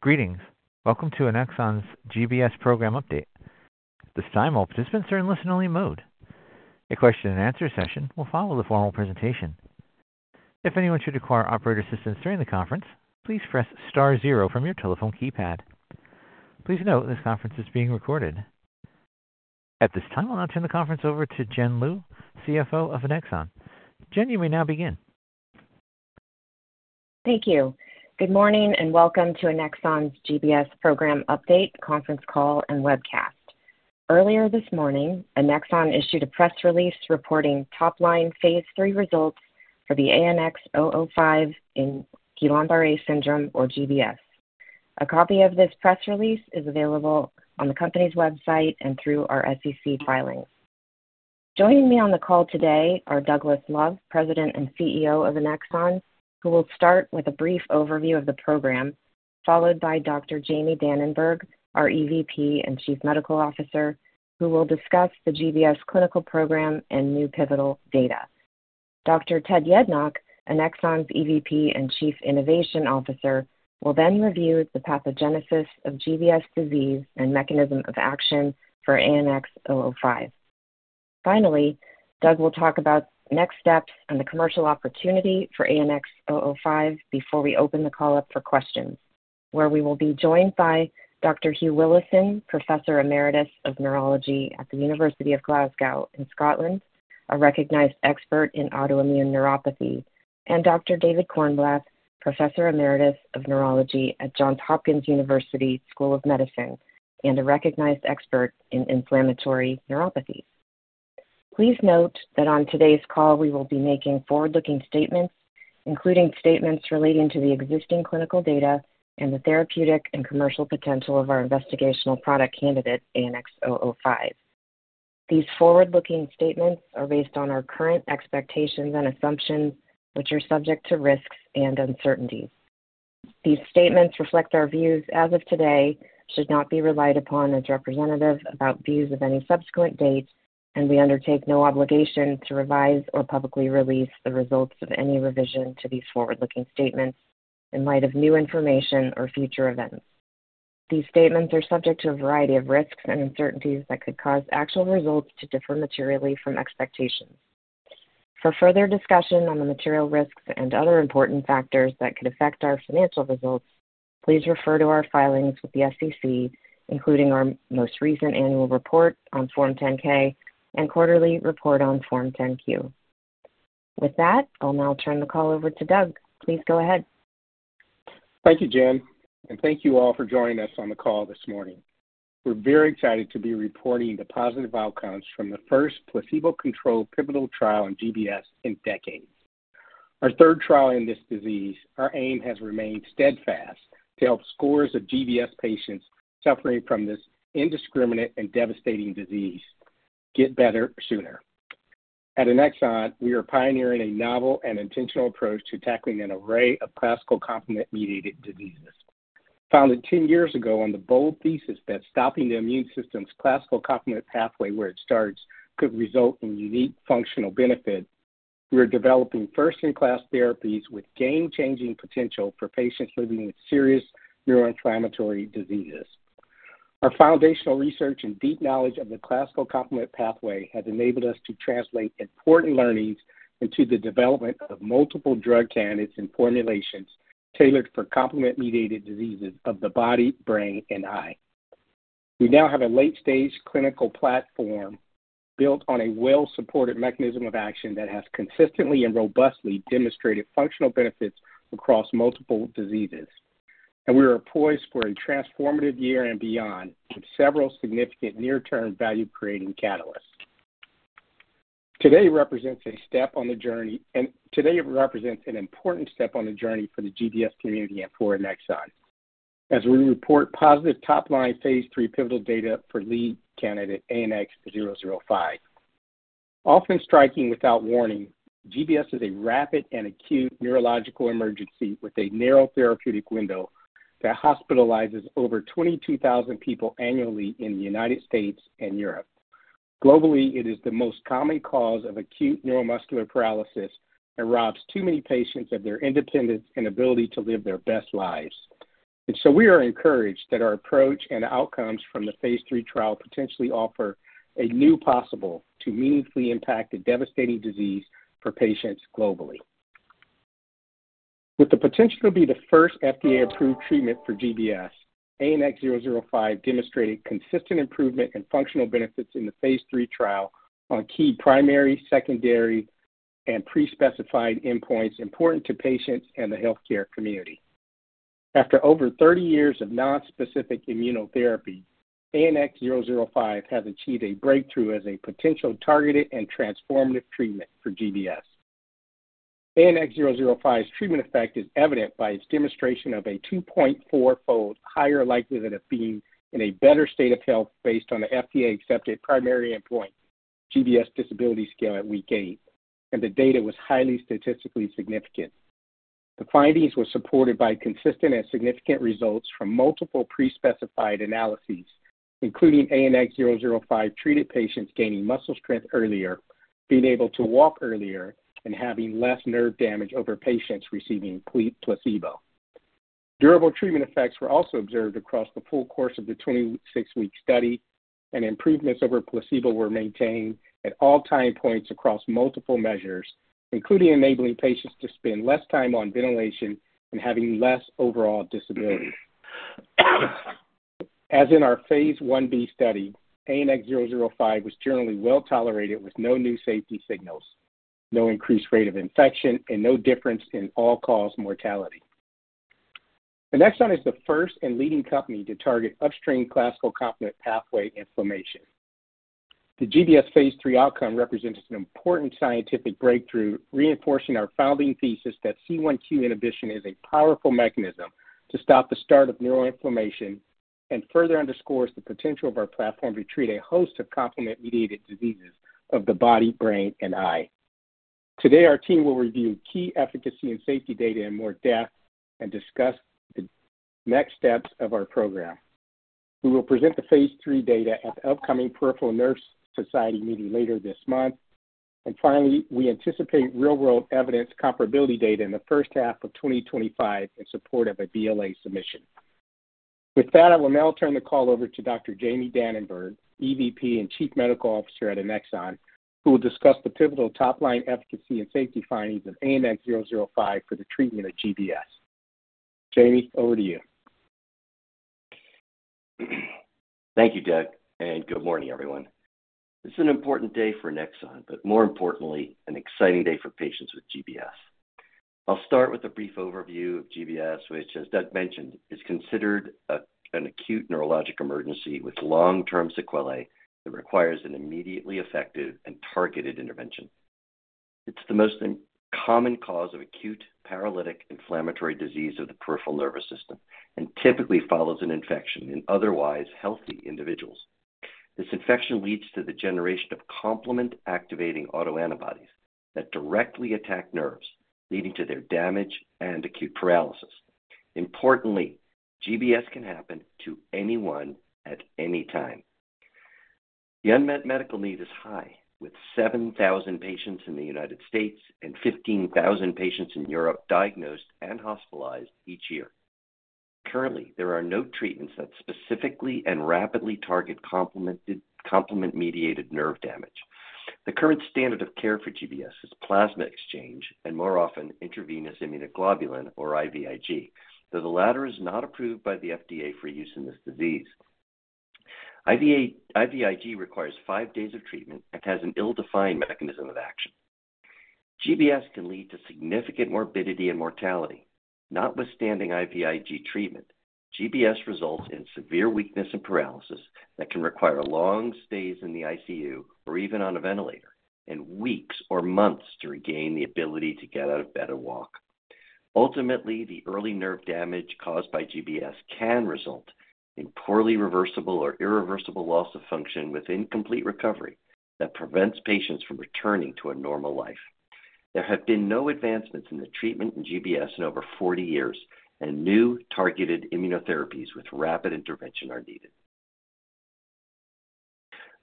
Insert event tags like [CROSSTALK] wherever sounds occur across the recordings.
Greetings. Welcome to Annexon's GBS Program Update. This time, all participants are in listen-only mode. A question and answer session will follow the formal presentation. If anyone should require operator assistance during the conference, please press star zero from your telephone keypad. Please note, this conference is being recorded. At this time, I'll now turn the conference over to Jen Lew, CFO of Annexon. Jen, you may now begin. Thank you. Good morning, and welcome to Annexon's GBS Program Update Conference Call, and Webcast. Earlier this morning, Annexon issued a press release reporting top-line phase III results for the ANX005 in Guillain-Barré syndrome, or GBS. A copy of this press release is available on the company's website and through our SEC filings. Joining me on the call today are Douglas Love, President and CEO of Annexon, who will start with a brief overview of the program, followed by Dr. Jamie Dananberg, our EVP and Chief Medical Officer, who will discuss the GBS clinical program and new pivotal data. Dr. Ted Yednock, Annexon's EVP and Chief Innovation Officer, will then review the pathogenesis of GBS disease and mechanism of action for ANX005. Finally, Doug will talk about next steps and the commercial opportunity for ANX005 before we open the call up for questions, where we will be joined by Dr. Hugh Willison, Professor Emeritus of Neurology at the University of Glasgow in Scotland, a recognized expert in autoimmune neuropathy, and Dr. David Cornblath, Professor Emeritus of Neurology at Johns Hopkins University School of Medicine, and a recognized expert in inflammatory neuropathy. Please note that on today's call, we will be making forward-looking statements, including statements relating to the existing clinical data and the therapeutic and commercial potential of our investigational product candidate, ANX005. These forward-looking statements are based on our current expectations and assumptions, which are subject to risks and uncertainties. These statements reflect our views as of today, should not be relied upon as representative about views of any subsequent date, and we undertake no obligation to revise or publicly release the results of any revision to these forward-looking statements in light of new information or future events. These statements are subject to a variety of risks and uncertainties that could cause actual results to differ materially from expectations. For further discussion on the material risks and other important factors that could affect our financial results, please refer to our filings with the SEC, including our most recent annual report on Form 10-K and quarterly report on Form 10-Q. With that, I'll now turn the call over to Doug. Please go ahead. Thank you, Jen, and thank you all for joining us on the call this morning. We're very excited to be reporting the positive outcomes from the first placebo-controlled pivotal trial in GBS in decades. Our third trial in this disease, our aim has remained steadfast to help scores of GBS patients suffering from this indiscriminate and devastating disease get better sooner. At Annexon, we are pioneering a novel and intentional approach to tackling an array of classical complement-mediated diseases. Founded ten years ago on the bold thesis that stopping the immune system's classical complement pathway where it starts could result in unique functional benefits, we are developing first-in-class therapies with game-changing potential for patients living with serious neuroinflammatory diseases. Our foundational research and deep knowledge of the classical complement pathway have enabled us to translate important learnings into the development of multiple drug candidates and formulations tailored for complement-mediated diseases of the body, brain, and eye. We now have a late-stage clinical platform built on a well-supported mechanism of action that has consistently and robustly demonstrated functional benefits across multiple diseases. And we are poised for a transformative year and beyond, with several significant near-term value-creating catalysts. Today represents a step on the journey... and today represents an important step on the journey for the GBS community and for Annexon as we report positive top-line phase III pivotal data for lead candidate ANX005. Often striking without warning, GBS is a rapid and acute neurological emergency with a narrow therapeutic window that hospitalizes over 22,000 people annually in the United States and Europe. Globally, it is the most common cause of acute neuromuscular paralysis and robs too many patients of their independence and ability to live their best lives. So we are encouraged that our approach and outcomes from the phase III trial potentially offer a new possibility to meaningfully impact a devastating disease for patients globally. With the potential to be the first FDA-approved treatment for GBS, ANX005 demonstrated consistent improvement and functional benefits in the phase III trial on key primary, secondary, and pre-specified endpoints important to patients and the healthcare community. After over 30 years of non-specific immunotherapy, ANX005 has achieved a breakthrough as a potential targeted and transformative treatment for GBS. ANX005's treatment effect is evident by its demonstration of a 2.4-fold higher likelihood of being in a better state of health based on the FDA-accepted primary endpoint, GBS Disability Scale at week eight, and the data was highly statistically significant. The findings were supported by consistent and significant results from multiple pre-specified analyses, including ANX005-treated patients gaining muscle strength earlier, being able to walk earlier, and having less nerve damage over patients receiving placebo. Durable treatment effects were also observed across the full course of the 26-week study, and improvements over placebo were maintained at all time points across multiple measures, including enabling patients to spend less time on ventilation and having less overall disability. As in our phase Ib study, ANX005 was generally well-tolerated with no new safety signals, no increased rate of infection, and no difference in all-cause mortality. Annexon is the first and leading company to target upstream classical complement pathway inflammation. The GBS phase III outcome represents an important scientific breakthrough, reinforcing our founding thesis that C1q inhibition is a powerful mechanism to stop the start of neural inflammation, and further underscores the potential of our platform to treat a host of complement-mediated diseases of the body, brain, and eye. Today, our team will review key efficacy and safety data in more depth and discuss the next steps of our program. We will present the phase III data at the upcoming Peripheral Nerve Society meeting later this month. Finally, we anticipate real-world evidence comparability data in the first half of 2025 in support of a BLA submission. With that, I will now turn the call over to Dr. Jamie Dananberg, EVP and Chief Medical Officer at Annexon, who will discuss the pivotal top-line efficacy and safety findings of ANX005 for the treatment of GBS. Jamie, over to you. Thank you, Doug, and good morning, everyone. This is an important day for Annexon, but more importantly, an exciting day for patients with GBS. I'll start with a brief overview of GBS, which, as Doug mentioned, is considered an acute neurologic emergency with long-term sequelae that requires an immediately effective and targeted intervention. It's the most common cause of acute paralytic inflammatory disease of the peripheral nervous system and typically follows an infection in otherwise healthy individuals. This infection leads to the generation of complement-activating autoantibodies that directly attack nerves, leading to their damage and acute paralysis. Importantly, GBS can happen to anyone at any time. The unmet medical need is high, with 7,000 patients in the United States and 15,000 patients in Europe diagnosed and hospitalized each year. Currently, there are no treatments that specifically and rapidly target complement-mediated nerve damage. The current standard of care for GBS is plasma exchange and, more often, intravenous immunoglobulin, or IVIG, though the latter is not approved by the FDA for use in this disease. IVIG requires five days of treatment and has an ill-defined mechanism of action. GBS can lead to significant morbidity and mortality. Notwithstanding IVIG treatment, GBS results in severe weakness and paralysis that can require long stays in the ICU or even on a ventilator, and weeks or months to regain the ability to get out of bed or walk. Ultimately, the early nerve damage caused by GBS can result in poorly reversible or irreversible loss of function with incomplete recovery that prevents patients from returning to a normal life. There have been no advancements in the treatment in GBS in over forty years, and new targeted immunotherapies with rapid intervention are needed.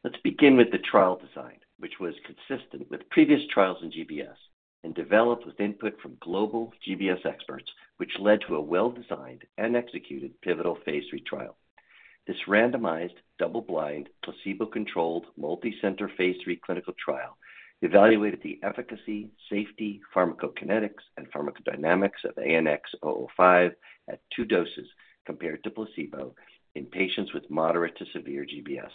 Let's begin with the trial design, which was consistent with previous trials in GBS and developed with input from global GBS experts, which led to a well-designed and executed pivotal phase III trial. This randomized, double-blind, placebo-controlled, multicenter phase III clinical trial evaluated the efficacy, safety, pharmacokinetics, and pharmacodynamics of ANX005 at two doses compared to placebo in patients with moderate to severe GBS.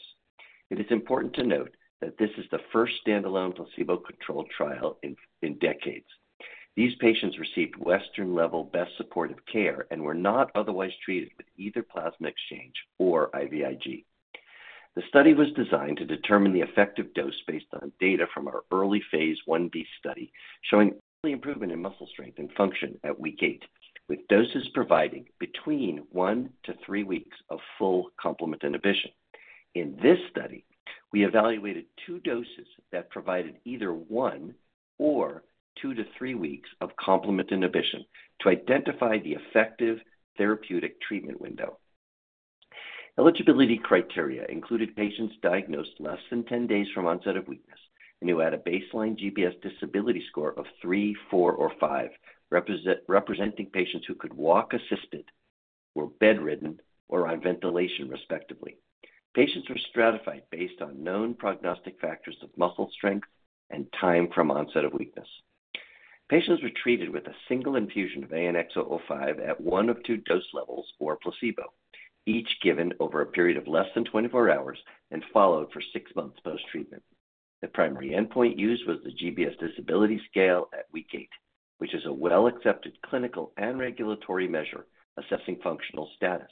It is important to note that this is the first standalone placebo-controlled trial in decades. These patients received Western-level best supportive care and were not otherwise treated with either plasma exchange or IVIG. The study was designed to determine the effective dose based on data from our early phase Ib study, showing early improvement in muscle strength and function at week eight, with doses providing between one to three weeks of full complement inhibition. In this study, we evaluated two doses that provided either one or two to three weeks of complement inhibition to identify the effective therapeutic treatment window. Eligibility criteria included patients diagnosed less than 10 days from onset of weakness and who had a baseline GBS disability score of 3, 4, or 5, representing patients who could walk assisted, were bedridden, or on ventilation, respectively. Patients were stratified based on known prognostic factors of muscle strength and time from onset of weakness. Patients were treated with a single infusion of ANX005 at one of two dose levels or placebo, each given over a period of less than 24 hours and followed for six months post-treatment. The primary endpoint used was the GBS Disability Scale at week eight, which is a well-accepted clinical and regulatory measure assessing functional status.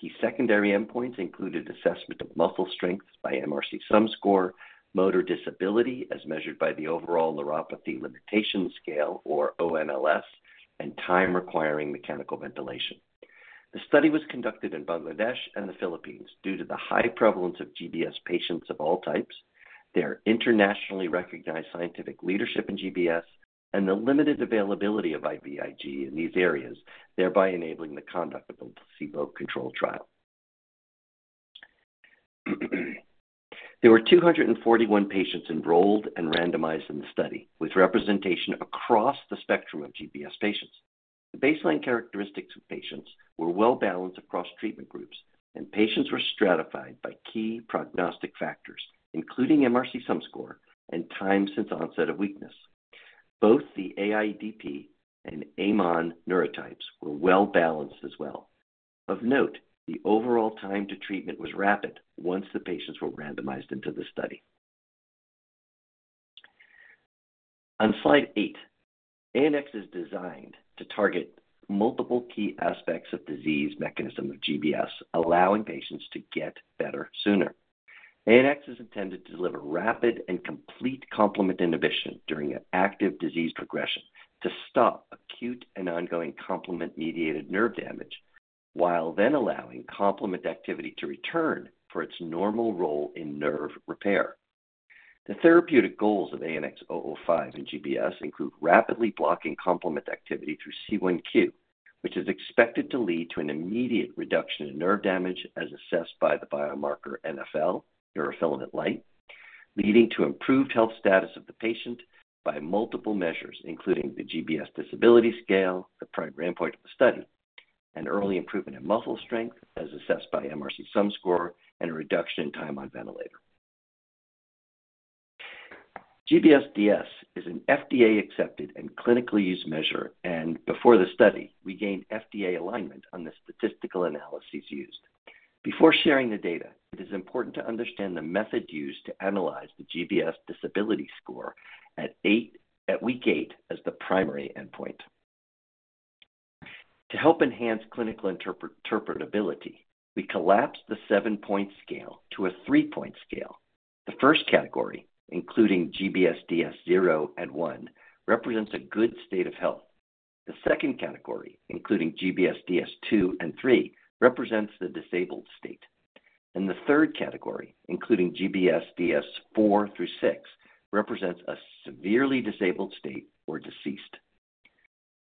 Key secondary endpoints included assessment of muscle strength by MRC Sum Score, motor disability, as measured by the Overall Neuropathy Limitation Scale, or ONLS, and time requiring mechanical ventilation. The study was conducted in Bangladesh and the Philippines due to the high prevalence of GBS patients of all types, their internationally recognized scientific leadership in GBS, and the limited availability of IVIG in these areas, thereby enabling the conduct of the placebo-controlled trial. There were 241 patients enrolled and randomized in the study, with representation across the spectrum of GBS patients. The baseline characteristics of patients were well-balanced across treatment groups, and patients were stratified by key prognostic factors, including MRC Sum Score and time since onset of weakness. Both the AIDP and AMAN neurotypes were well-balanced as well. Of note, the overall time to treatment was rapid once the patients were randomized into the study. On slide eight, ANX005 is designed to target multiple key aspects of disease mechanism of GBS, allowing patients to get better sooner. ANX005 is intended to deliver rapid and complete complement inhibition during an active disease progression to stop acute and ongoing complement-mediated nerve damage, while then allowing complement activity to return for its normal role in nerve repair. The therapeutic goals of ANX005 in GBS include rapidly blocking complement activity through C1q, which is expected to lead to an immediate reduction in nerve damage as assessed by the biomarker NfL, neurofilament light, leading to improved health status of the patient by multiple measures, including the GBS Disability Scale, the primary endpoint of the study, and early improvement in muscle strength as assessed by MRC Sum Score and a reduction in time on ventilator. GBS-DS is an FDA-accepted and clinically used measure, and before the study, we gained FDA alignment on the statistical analyses used. Before sharing the data, it is important to understand the method used to analyze the GBS disability score at week eight as the primary endpoint. To help enhance clinical interpretability, we collapsed the seven-point scale to a three-point scale. The first category, including GBS-DS 0 and 1, represents a good state of health. The second category, including GBS-DS 2 and 3, represents the disabled state. The third category, including GBS-DS 4 through 6, represents a severely disabled state or deceased.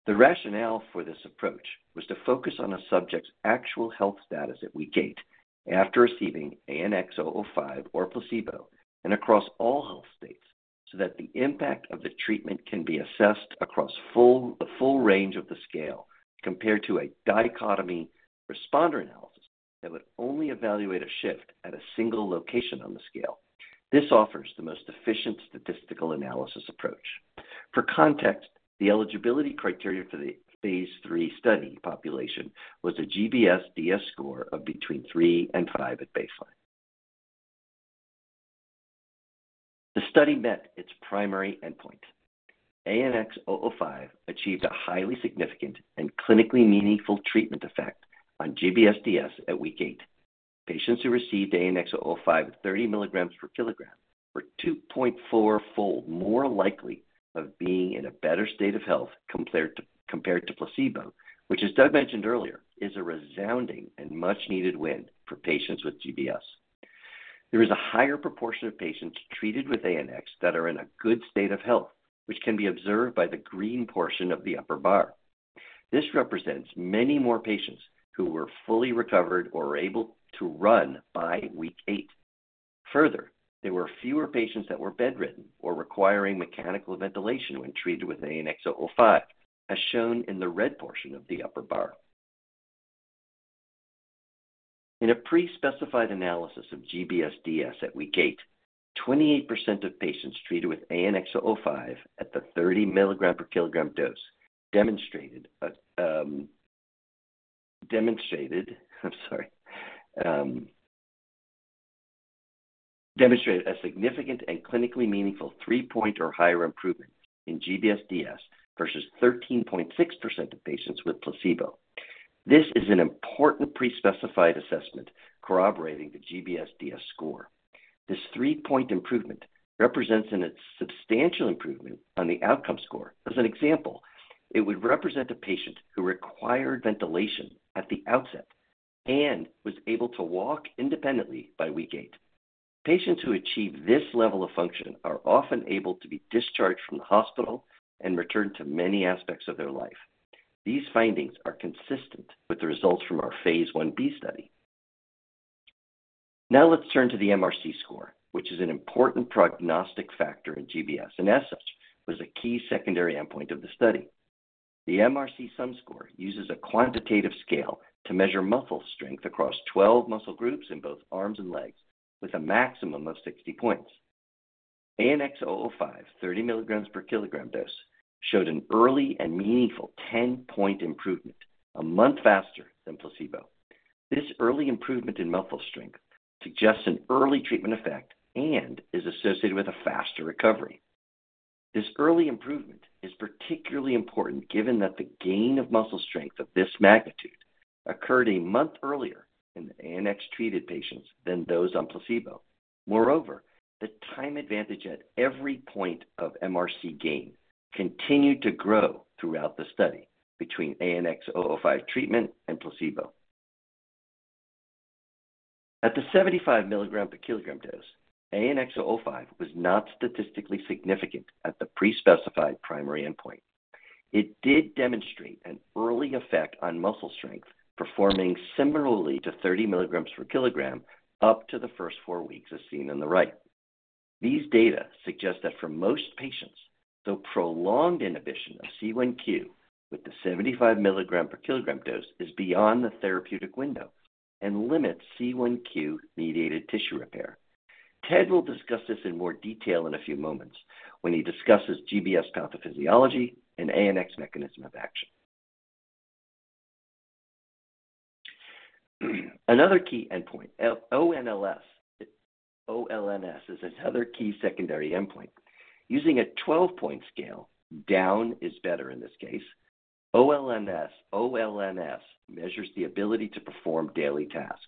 The rationale for this approach was to focus on a subject's actual health status at week eight after receiving ANX005 or placebo, and across all health states, so that the impact of the treatment can be assessed across the full range of the scale, compared to a dichotomy responder analysis that would only evaluate a shift at a single location on the scale. This offers the most efficient statistical analysis approach. For context, the eligibility criteria for the phase III study population was a GBS-DS score of between 3 and 5 at baseline. The study met its primary endpoint. ANX005 achieved a highly significant and clinically meaningful treatment effect on GBS-DS at week eight. Patients who received ANX005 at 30 mg per kilogram were 2.4-fold more likely of being in a better state of health compared to placebo, which, as Doug mentioned earlier, is a resounding and much-needed win for patients with GBS. There is a higher proportion of patients treated with ANX that are in a good state of health, which can be observed by the green portion of the upper bar. This represents many more patients who were fully recovered or able to run by week eight. Further, there were fewer patients that were bedridden or requiring mechanical ventilation when treated with ANX005, as shown in the red portion of the upper bar. In a pre-specified analysis of GBS-DS at week eight, 28% of patients treated with ANX005 at the 30 mg per kilogram dose demonstrated... I'm sorry, demonstrated a significant and clinically meaningful three-point or higher improvement in GBS-DS versus 13.6% of patients with placebo. This is an important pre-specified assessment corroborating the GBS-DS score. This three-point improvement represents a substantial improvement on the outcome score. As an example, it would represent a patient who required ventilation at the outset and was able to walk independently by week eight. Patients who achieve this level of function are often able to be discharged from the hospital and return to many aspects of their life. These findings are consistent with the results from our phase Ib study. Now let's turn to the MRC score, which is an important prognostic factor in GBS, and as such, was a key secondary endpoint of the study. The MRC Sum Score uses a quantitative scale to measure muscle strength across 12 muscle groups in both arms and legs, with a maximum of 60 points. ANX005, 30 mg per kilogram dose, showed an early and meaningful 10-point improvement, a month faster than placebo. This early improvement in muscle strength suggests an early treatment effect and is associated with a faster recovery. This early improvement is particularly important given that the gain of muscle strength of this magnitude occurred a month earlier in ANX-treated patients than those on placebo. Moreover, the time advantage at every point of MRC gain continued to grow throughout the study between ANX005 treatment and placebo. At the 75 mg per kilogram dose, ANX005 was not statistically significant at the pre-specified primary endpoint. It did demonstrate an early effect on muscle strength, performing similarly to 30 mg per kilogram up to the first four weeks, as seen on the right. These data suggest that for most patients, the prolonged inhibition of C1q with the 75 mg per kilogram dose is beyond the therapeutic window and limits C1q-mediated tissue repair. Ted will discuss this in more detail in a few moments when he discusses GBS pathophysiology and ANX mechanism of action. Another key endpoint, ONLS, is another key secondary endpoint. Using a 12-point scale, down is better in this case. ONLS measures the ability to perform daily tasks.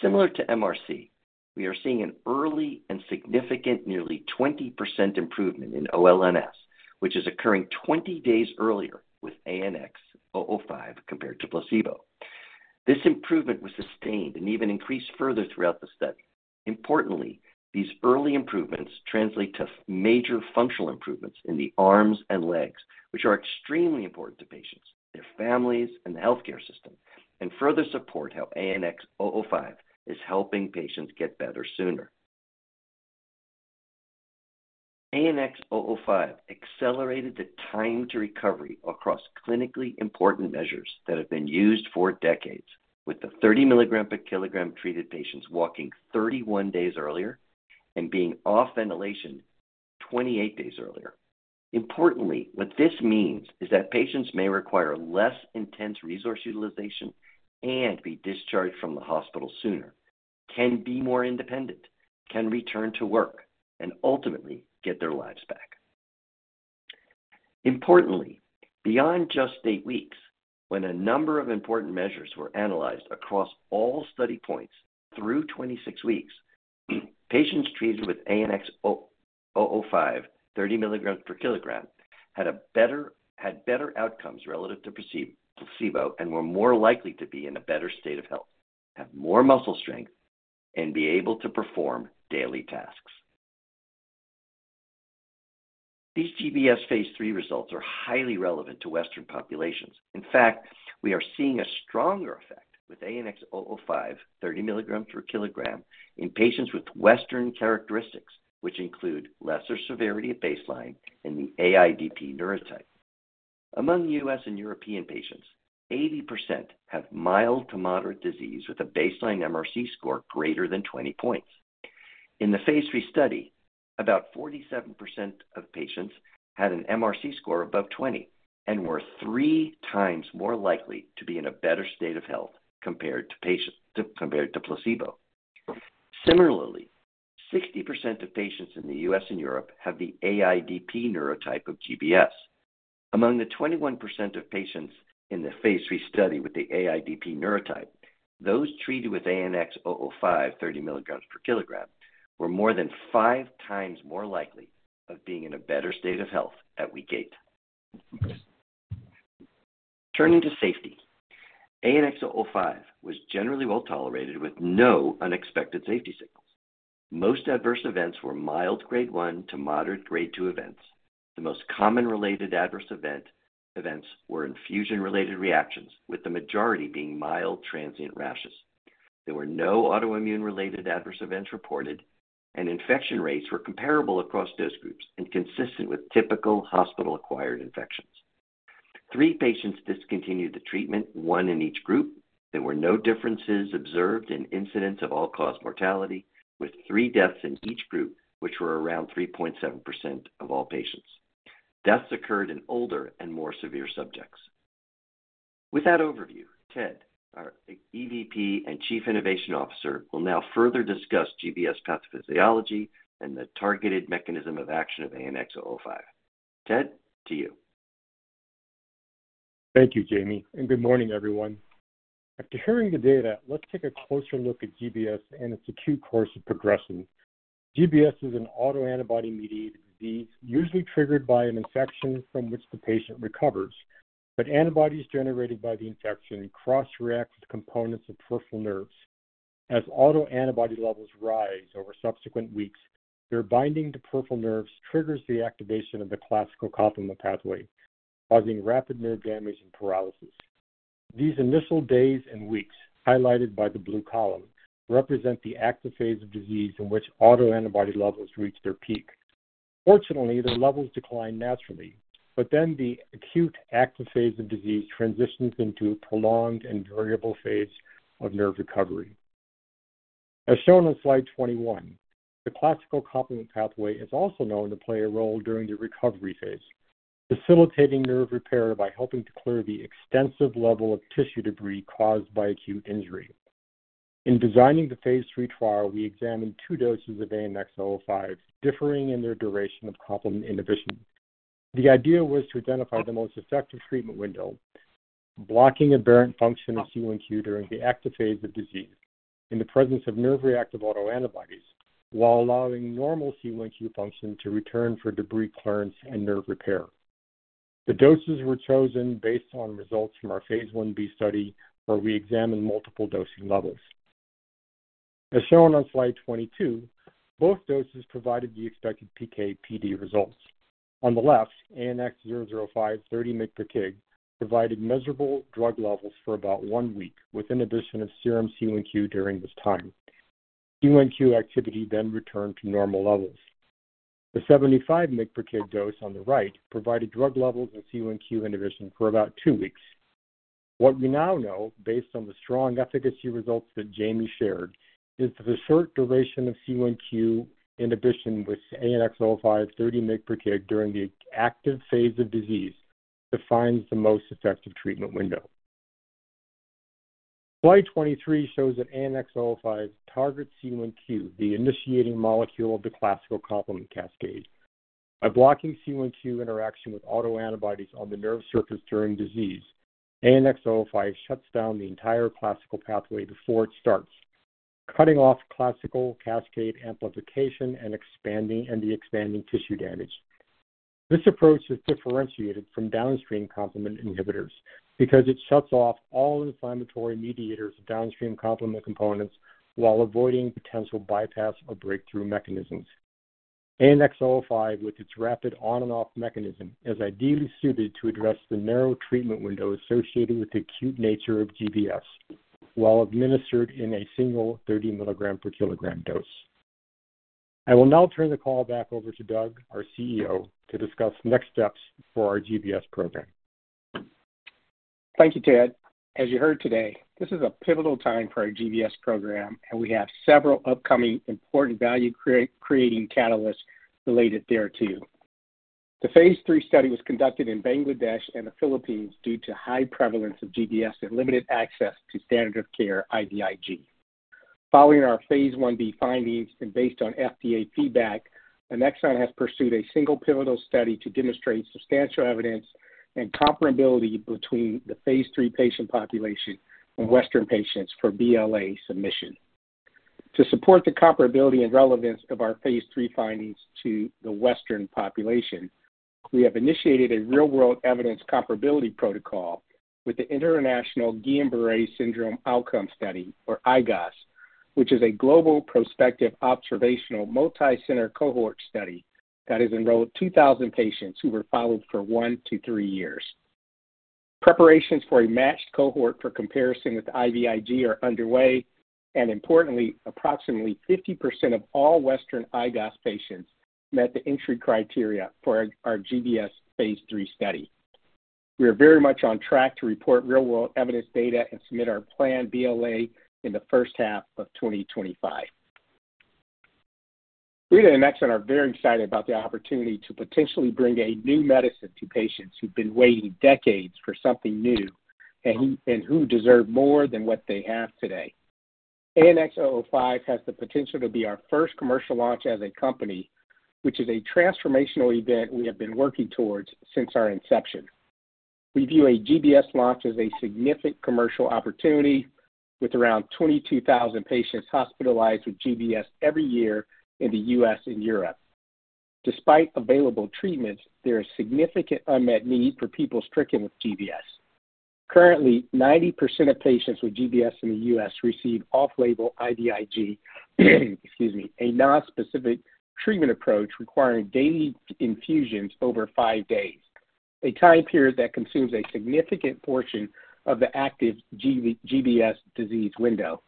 Similar to MRC, we are seeing an early and significant, nearly 20% improvement in ONLS, which is occurring 20 days earlier with ANX005 compared to placebo. This improvement was sustained and even increased further throughout the study. Importantly, these early improvements translate to major functional improvements in the arms and legs, which are extremely important to patients, their families, and the healthcare system, and further support how ANX005 is helping patients get better sooner. ANX005 accelerated the time to recovery across clinically important measures that have been used for decades, with the 30 mg per kilogram treated patients walking 31 days earlier and being off ventilation 28 days earlier. Importantly, what this means is that patients may require less intense resource utilization and be discharged from the hospital sooner, can be more independent, can return to work, and ultimately get their lives back. Importantly, beyond just eight weeks, when a number of important measures were analyzed across all study points through 26 weeks, patients treated with ANX005, 30 mg per kilogram, had better outcomes relative to placebo and were more likely to be in a better state of health, have more muscle strength and be able to perform daily tasks. These GBS phase III results are highly relevant to Western populations. In fact, we are seeing a stronger effect with ANX005, 30 mg per kilogram, in patients with Western characteristics, which include lesser severity at baseline and the AIDP neurotype. Among U.S. and European patients, 80% have mild to moderate disease, with a baseline MRC score greater than 20 points. In the phase III study, about 47% of patients had an MRC score above 20 and were three times more likely to be in a better state of health compared to placebo. Similarly, 60% of patients in the U.S. and Europe have the AIDP neurotype of GBS. Among the 21% of patients in the phase III study with the AIDP neurotype, those treated with ANX005, 30 mg per kilogram, were more than five times more likely of being in a better state of health at week eight. Turning to safety, ANX005 was generally well-tolerated, with no unexpected safety signals. Most adverse events were mild grade 1 to moderate grade 2 events. The most common related adverse events were infusion-related reactions, with the majority being mild, transient rashes. There were no autoimmune-related adverse events reported, and infection rates were comparable across dose groups and consistent with typical hospital-acquired infections. Three patients discontinued the treatment, one in each group. There were no differences observed in incidence of all-cause mortality, with three deaths in each group, which were around 3.7% of all patients. Deaths occurred in older and more severe subjects. With that overview, Ted, our EVP and Chief Innovation Officer, will now further discuss GBS pathophysiology and the targeted mechanism of action of ANX005. Ted, to you. Thank you, Jamie, and good morning, everyone. After hearing the data, let's take a closer look at GBS and its acute course of progression. GBS is an autoantibody-mediated disease, usually triggered by an infection from which the patient recovers. But antibodies generated by the infection cross-react with components of peripheral nerves. As autoantibody levels rise over subsequent weeks, their binding to peripheral nerves triggers the activation of the classical complement pathway, causing rapid nerve damage and paralysis. These initial days and weeks, highlighted by the blue column, represent the active phase of disease in which autoantibody levels reach their peak. Fortunately, the levels decline naturally, but then the acute active phase of disease transitions into a prolonged and variable phase of nerve recovery. As shown on slide 21, the classical complement pathway is also known to play a role during the recovery phase, facilitating nerve repair by helping to clear the extensive level of tissue debris caused by acute injury. In designing the phase III trial, we examined two doses of ANX005, differing in their duration of complement inhibition. The idea was to identify the most effective treatment window, blocking aberrant function of C1q during the active phase of disease in the presence of nerve reactive autoantibodies, while allowing normal C1q function to return for debris clearance and nerve repair. The doses were chosen based on results from our phase Ib study, where we examined multiple dosing levels. As shown on slide 22, both doses provided the expected PK/PD results. On the left, ANX005, 30 mg per kilogram, provided measurable drug levels for about one week, with inhibition of serum C1q during this time. C1q activity then returned to normal levels. The 75 mg per kilogram dose on the right provided drug levels and C1q inhibition for about two weeks. What we now know, based on the strong efficacy results that Jamie shared, is that the short duration of C1q inhibition with ANX005, 30 mg per kilogram during the active phase of disease, defines the most effective treatment window. Slide 23 shows that ANX005 targets C1q, the initiating molecule of the classical complement cascade. By blocking C1q interaction with autoantibodies on the nerve surface during disease, ANX005 shuts down the entire classical pathway before it starts, cutting off classical cascade amplification and expanding- and the expanding tissue damage. This approach is differentiated from downstream complement inhibitors because it shuts off all inflammatory mediators of downstream complement components while avoiding potential bypass or breakthrough mechanisms. ANX005, with its rapid on-and-off mechanism, is ideally suited to address the narrow treatment window associated with the acute nature of GBS, while administered in a single 30 mg per kilogram dose. I will now turn the call back over to Doug, our CEO, to discuss next steps for our GBS program. Thank you, Ted. As you heard today, this is a pivotal time for our GBS program, and we have several upcoming important value-creating catalysts related thereto. The phase III study was conducted in Bangladesh and the Philippines due to high prevalence of GBS and limited access to standard of care IVIG. Following our phase Ib findings and based on FDA feedback, Annexon has pursued a single pivotal study to demonstrate substantial evidence and comparability between the phase III patient population and Western patients for BLA submission. To support the comparability and relevance of our phase III findings to the Western population, we have initiated a real-world evidence comparability protocol with the International Guillain-Barré Syndrome Outcome Study, or IGOS, which is a global prospective observational multicenter cohort study that has enrolled 2,000 patients who were followed for one to three years. Preparations for a matched cohort for comparison with IVIG are underway, and importantly, approximately 50% of all Western IGOS patients met the entry criteria for our GBS phase III study. We are very much on track to report real-world evidence data and submit our planned BLA in the first half of 2025. We at Annexon are very excited about the opportunity to potentially bring a new medicine to patients who've been waiting decades for something new and who deserve more than what they have today. ANX005 has the potential to be our first commercial launch as a company, which is a transformational event we have been working towards since our inception. We view a GBS launch as a significant commercial opportunity, with around 22,000 patients hospitalized with GBS every year in the U.S. and Europe. Despite available treatments, there is significant unmet need for people stricken with GBS. Currently, 90% of patients with GBS in the U.S. receive off-label IVIG, excuse me, a nonspecific treatment approach requiring daily infusions over five days, a time period that consumes a significant portion of the active GBS disease window.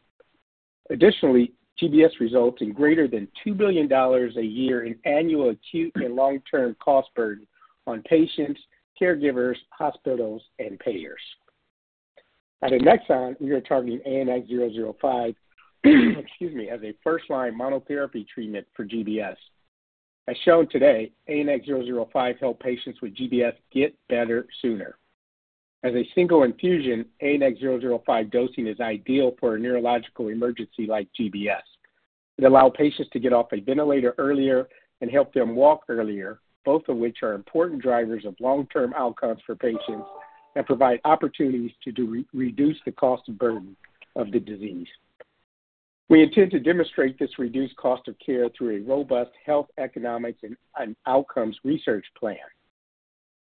Additionally, GBS results in greater than $2 billion a year in annual acute and long-term cost burden on patients, caregivers, hospitals, and payers. At Annexon, we are targeting ANX005, excuse me, as a first-line monotherapy treatment for GBS. As shown today, ANX005 help patients with GBS get better sooner. As a single infusion, ANX005 dosing is ideal for a neurological emergency like GBS. It allows patients to get off a ventilator earlier and help them walk earlier, both of which are important drivers of long-term outcomes for patients and provide opportunities to reduce the cost burden of the disease. We intend to demonstrate this reduced cost of care through a robust Health Economics and Outcomes Research plan.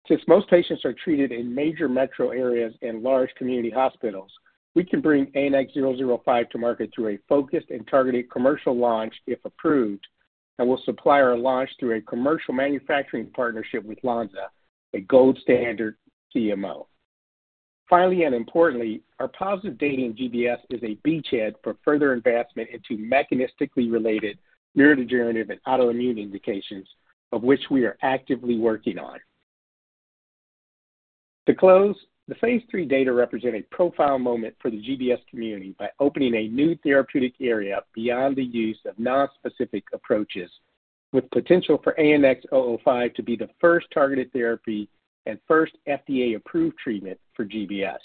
Since most patients are treated in major metro areas and large community hospitals, we can bring ANX005 to market through a focused and targeted commercial launch, if approved, and will supply our launch through a commercial manufacturing partnership with Lonza, a gold standard CMO. Finally, and importantly, our positive data in GBS is a beachhead for further investment into mechanistically related neurodegenerative and autoimmune indications, of which we are actively working on. To close, the phase III data represent a profound moment for the GBS community by opening a new therapeutic area beyond the use of nonspecific approaches, with potential for ANX005 to be the first targeted therapy and first FDA-approved treatment for GBS.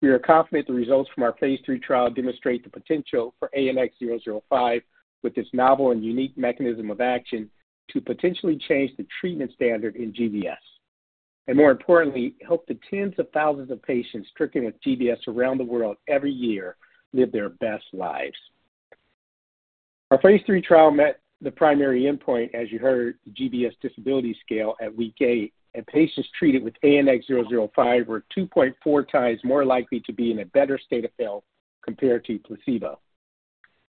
We are confident the results from our phase III trial demonstrate the potential for ANX005, with its novel and unique mechanism of action, to potentially change the treatment standard in GBS, and more importantly, help the tens of thousands of patients stricken with GBS around the world every year live their best lives. Our phase III trial met the primary endpoint, as you heard, the GBS Disability Scale at week eight, and patients treated with ANX005 were 2.4 times more likely to be in a better state of health compared to placebo.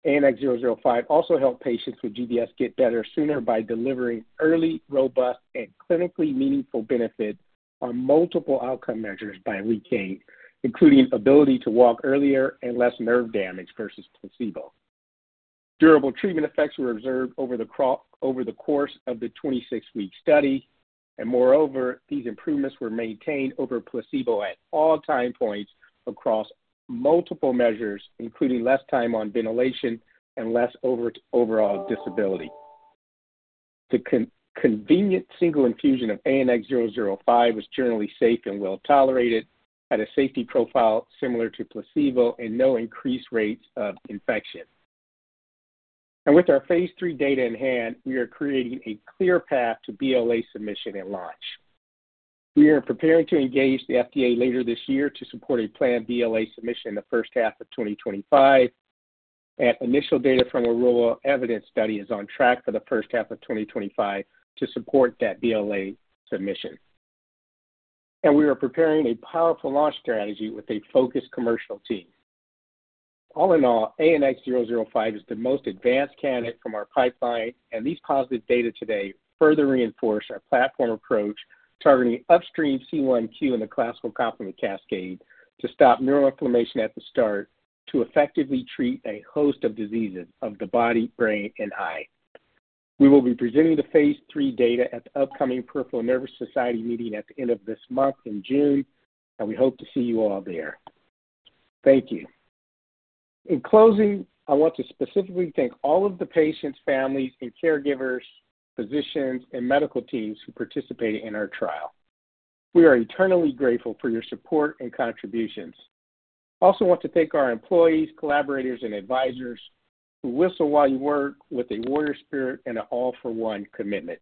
ANX005 also helped patients with GBS get better sooner by delivering early, robust, and clinically meaningful benefit on multiple outcome measures by week eight, including ability to walk earlier and less nerve damage versus placebo. Durable treatment effects were observed over the course of the 26-week study, and moreover, these improvements were maintained over placebo at all time points across multiple measures, including less time on ventilation and less overall disability. The convenient single infusion of ANX005 was generally safe and well-tolerated, had a safety profile similar to placebo, and no increased rates of infection. And with our phase III data in hand, we are creating a clear path to BLA submission and launch. We are preparing to engage the FDA later this year to support a planned BLA submission in the first half of 2025. Initial data from a real-world evidence study is on track for the first half of 2025 to support that BLA submission. We are preparing a powerful launch strategy with a focused commercial team. All in all, ANX005 is the most advanced candidate from our pipeline, and these positive data today further reinforce our platform approach, targeting upstream C1q in the classical complement cascade to stop neural inflammation at the start to effectively treat a host of diseases of the body, brain, and eye. We will be presenting the phase III data at the upcoming Peripheral Nerve Society meeting at the end of this month in June, and we hope to see you all there. Thank you. In closing, I want to specifically thank all of the patients, families and caregivers, physicians, and medical teams who participated in our trial. We are eternally grateful for your support and contributions. I also want to thank our employees, collaborators, and advisors who whistle while you work with a warrior spirit and an all-for-one commitment.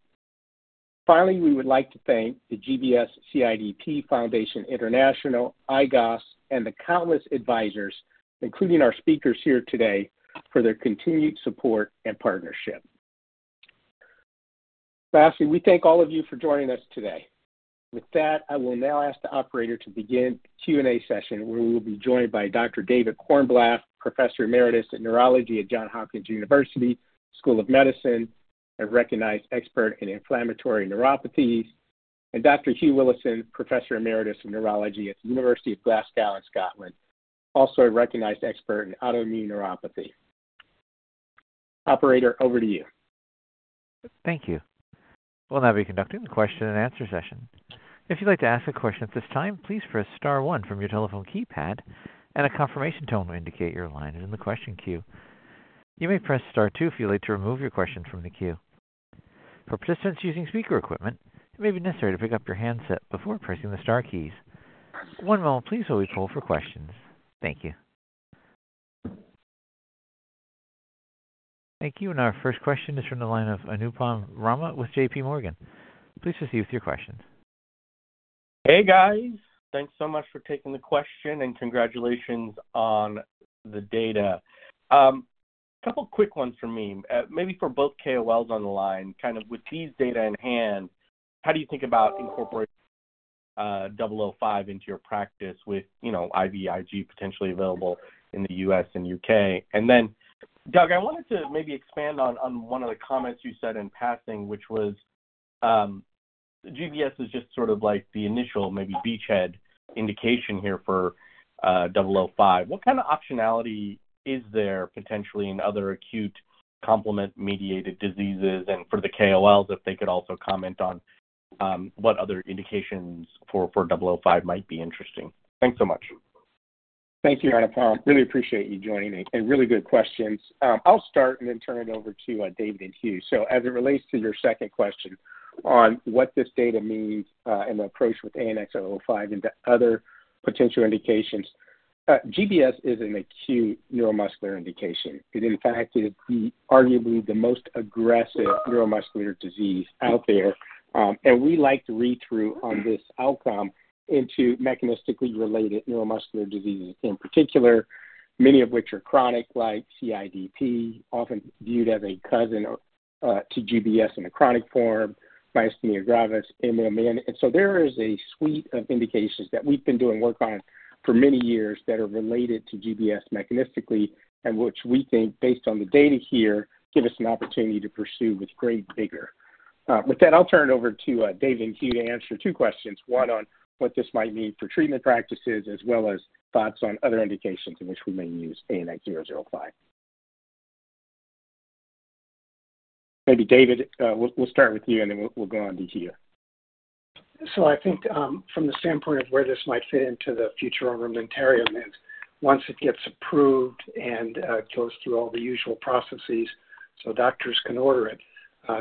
Finally, we would like to thank the GBS-CIDP Foundation International, IGOS, and the countless advisors, including our speakers here today, for their continued support and partnership. Lastly, we thank all of you for joining us today. With that, I will now ask the operator to begin the Q&A session, where we will be joined by Dr. David Cornblath, Professor Emeritus of Neurology at Johns Hopkins University School of Medicine, a recognized expert in inflammatory neuropathies, and Dr. Hugh Willison, Professor Emeritus of Neurology at the University of Glasgow in Scotland, also a recognized expert in autoimmune neuropathy. Operator, over to you. Thank you. We'll now be conducting the question and answer session. If you'd like to ask a question at this time, please press star one from your telephone keypad, and a confirmation tone will indicate your line is in the question queue. You may press star two if you'd like to remove your question from the queue. For participants using speaker equipment, it may be necessary to pick up your handset before pressing the star keys. One moment please, while we poll for questions. Thank you. Thank you. Our first question is from the line of Anupam Rama with J.P. Morgan. Please proceed with your questions. Hey, guys. Thanks so much for taking the question and congratulations on the data. A couple quick ones from me. Maybe for both KOLs on the line. Kind of with these data in hand, how do you think about incorporating ANX005 into your practice with, you know, IVIG potentially available in the U.S. and U.K.? And then, Doug, I wanted to maybe expand on one of the comments you said in passing, which was GBS is just sort of like the initial, maybe beachhead indication here for ANX005. What kind of optionality is there potentially in other acute complement-mediated diseases? And for the KOLs, if they could also comment on what other indications for ANX005 might be interesting? Thanks so much. Thank you, Anupam. Really appreciate you joining and really good questions. I'll start and then turn it over to David and Hugh. So as it relates to your second question on what this data means, and the approach with ANX005 into other potential indications, GBS is an acute neuromuscular indication. It, in fact, is arguably the most aggressive neuromuscular disease out there, and we like to read through on this outcome into mechanistically related neuromuscular diseases in particular, many of which are chronic, like CIDP, often viewed as a cousin to GBS in a chronic form, myasthenia gravis, MMN. And so there is a suite of indications that we've been doing work on for many years that are related to GBS mechanistically, and which we think, based on the data here, give us an opportunity to pursue with great vigor. With that, I'll turn it over to David and Hugh to answer two questions, one on what this might mean for treatment practices, as well as thoughts on other indications in which we may use ANX005. Maybe David, we'll start with you, and then we'll go on to Hugh. So I think, from the standpoint of where this might fit into the future of armamentarium, once it gets approved and, goes through all the usual processes so doctors can order it,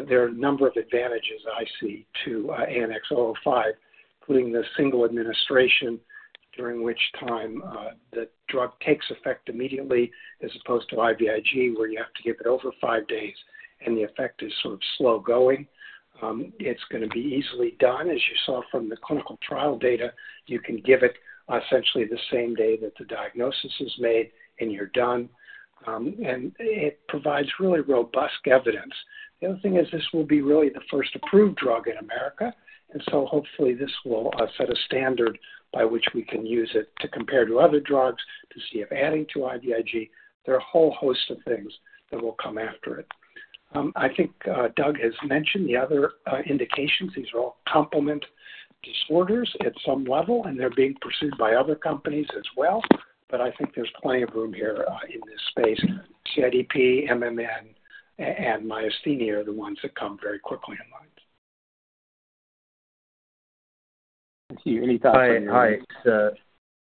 there are a number of advantages I see to, ANX005, including the single administration, during which time, the drug takes effect immediately, as opposed to IVIG, where you have to give it over five days and the effect is sort of slow-going. It's gonna be easily done, as you saw from the clinical trial data. You can give it essentially the same day that the diagnosis is made, and you're done. And it provides really robust evidence. The other thing is this will be really the first approved drug in America, and so hopefully, this will set a standard by which we can use it to compare to other drugs, to see if adding to IVIG. There are a whole host of things that will come after it. I think Doug has mentioned the other indications. These are all complement disorders at some level, and they're being pursued by other companies as well. But I think there's plenty of room here in this space. CIDP, MMN, and myasthenia are the ones that come very quickly in mind. Hugh, any thoughts on your end? Hi. Hi,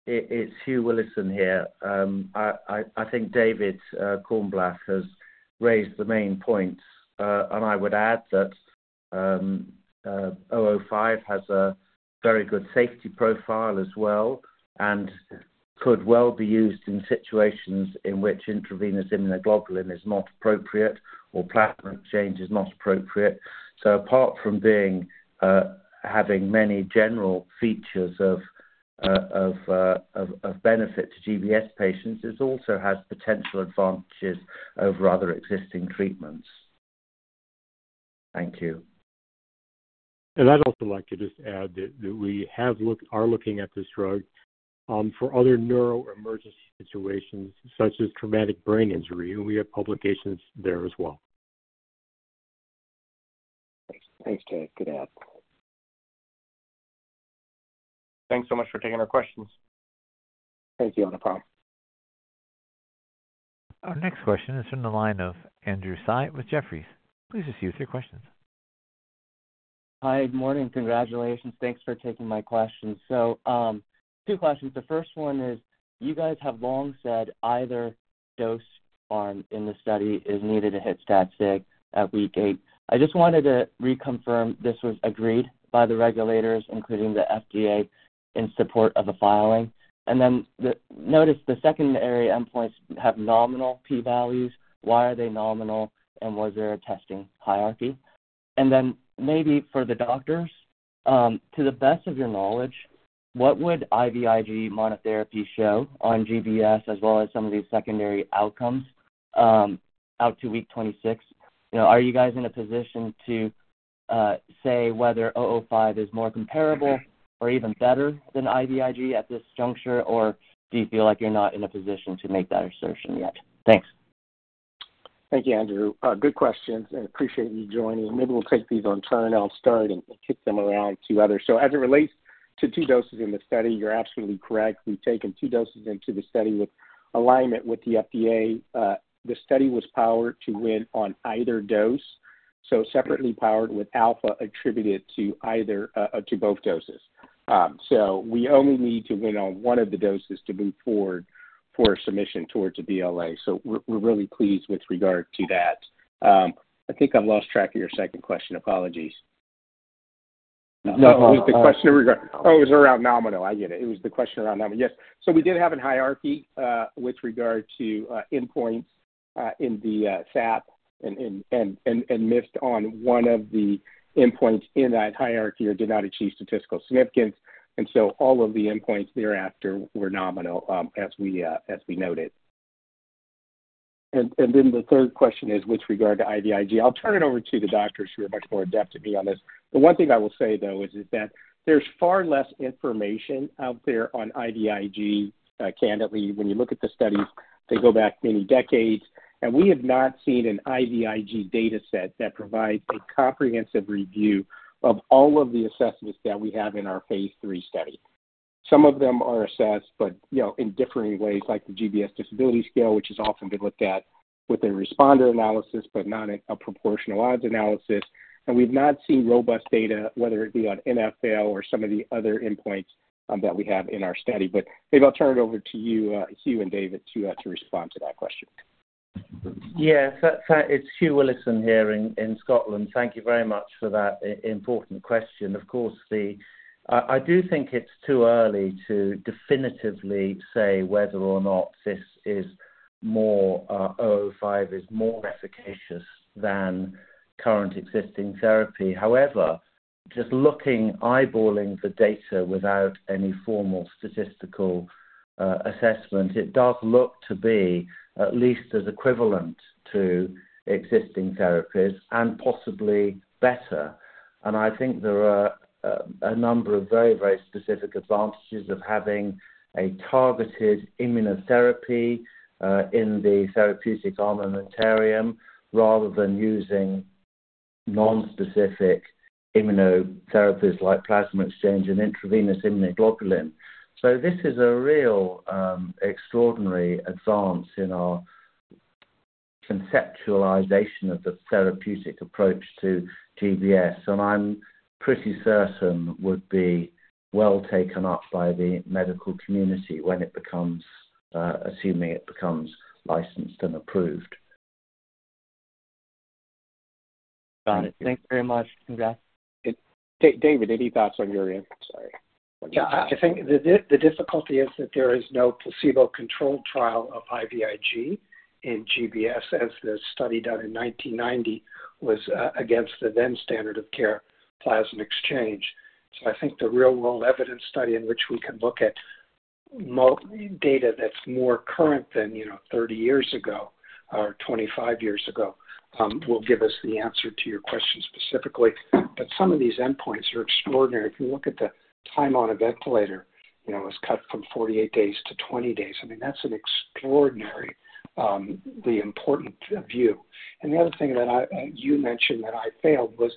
it's Hugh Willison here. I think David Cornblath has raised the main points. And I would add that ANX005 has a very good safety profile as well and could well be used in situations in which intravenous immunoglobulin is not appropriate or plasma exchange is not appropriate. So apart from being having many general features of benefit to GBS patients, it also has potential advantages over other existing treatments. Thank you. I'd also like to just add that, that we have looked- are looking at this drug for other neuro emergency situations, such as traumatic brain injury, and we have publications there as well. Thanks, Ted. Good to have. Thanks so much for taking our questions. Thank you. No problem. Our next question is from the line of Andrew Tsai with Jefferies. Please just use your questions. Hi, good morning. Congratulations. Thanks for taking my questions. So, two questions. The first one is, you guys have long said either dose arm in the study is needed to hit stat sig at week eight. I just wanted to reconfirm this was agreed by the regulators, including the FDA, in support of the filing. And then notice the secondary endpoints have nominal P values. Why are they nominal, and was there a testing hierarchy? And then, maybe for the doctors, to the best of your knowledge, what would IVIG monotherapy show on GBS as well as some of these secondary outcomes, out to week 26? You know, are you guys in a position to say whether ANX005 is more comparable or even better than IVIG at this juncture, or do you feel like you're not in a position to make that assertion yet? Thanks. Thank you, Andrew. Good questions, and appreciate you joining. Maybe we'll take these on turn, and I'll start and, and kick them around to others. So as it relates to two doses in the study, you're absolutely correct. We've taken two doses into the study with alignment with the FDA. The study was powered to win on either dose, so separately powered, with alpha attributed to either, to both doses. So we only need to win on one of the doses to move forward for a submission towards a BLA. So we're, we're really pleased with regard to that. I think I've lost track of your second question. Apologies. [CROSSTALK] It was the question in regard. Oh, it was around nominal. I get it. It was the question around nominal. Yes. So we did have a hierarchy with regard to endpoints in the SAP and missed on one of the endpoints in that hierarchy or did not achieve statistical significance, and so all of the endpoints thereafter were nominal, as we noted. And then the third question is with regard to IVIG. I'll turn it over to the doctors who are much more adept than me on this. The one thing I will say, though, is that there's far less information out there on IVIG. Candidly, when you look at the studies, they go back many decades, and we have not seen an IVIG data set that provides a comprehensive review of all of the assessments that we have in our phase three study. Some of them are assessed, but, you know, in differing ways, like the GBS disability scale, which has often been looked at with a responder analysis, but not a proportional odds analysis. And we've not seen robust data, whether it be on NfL or some of the other endpoints, that we have in our study. But maybe I'll turn it over to you, Hugh and David, to respond to that question. Yeah. So it's Hugh Willison here in Scotland. Thank you very much for that important question. Of course, I do think it's too early to definitively say whether or not this is more, ANX005 is more efficacious than current existing therapy. However, just looking, eyeballing the data without any formal statistical assessment, it does look to be at least as equivalent to existing therapies and possibly better. And I think there are a number of very, very specific advantages of having a targeted immunotherapy in the therapeutic armamentarium, rather than using nonspecific immunotherapies like plasma exchange and intravenous immunoglobulin. So this is a real extraordinary advance in our conceptualization of the therapeutic approach to GBS, and I'm pretty certain would be well taken up by the medical community when it becomes, assuming it becomes licensed and approved. Got it. Thank you. Thanks very much. Congrats. David, any thoughts on your end? Yeah, I think the difficulty is that there is no placebo-controlled trial of IVIG in GBS, as the study done in 1990 was against the then standard of care, plasma exchange. So I think the real-world evidence study in which we can look at more data that's more current than, you know, 30 years ago or 25 years ago will give us the answer to your question specifically. But some of these endpoints are extraordinary. If you look at the time on a ventilator, you know, it was cut from 48 days to 20 days. I mean, that's an extraordinary the important view. And the other thing that you mentioned that I failed was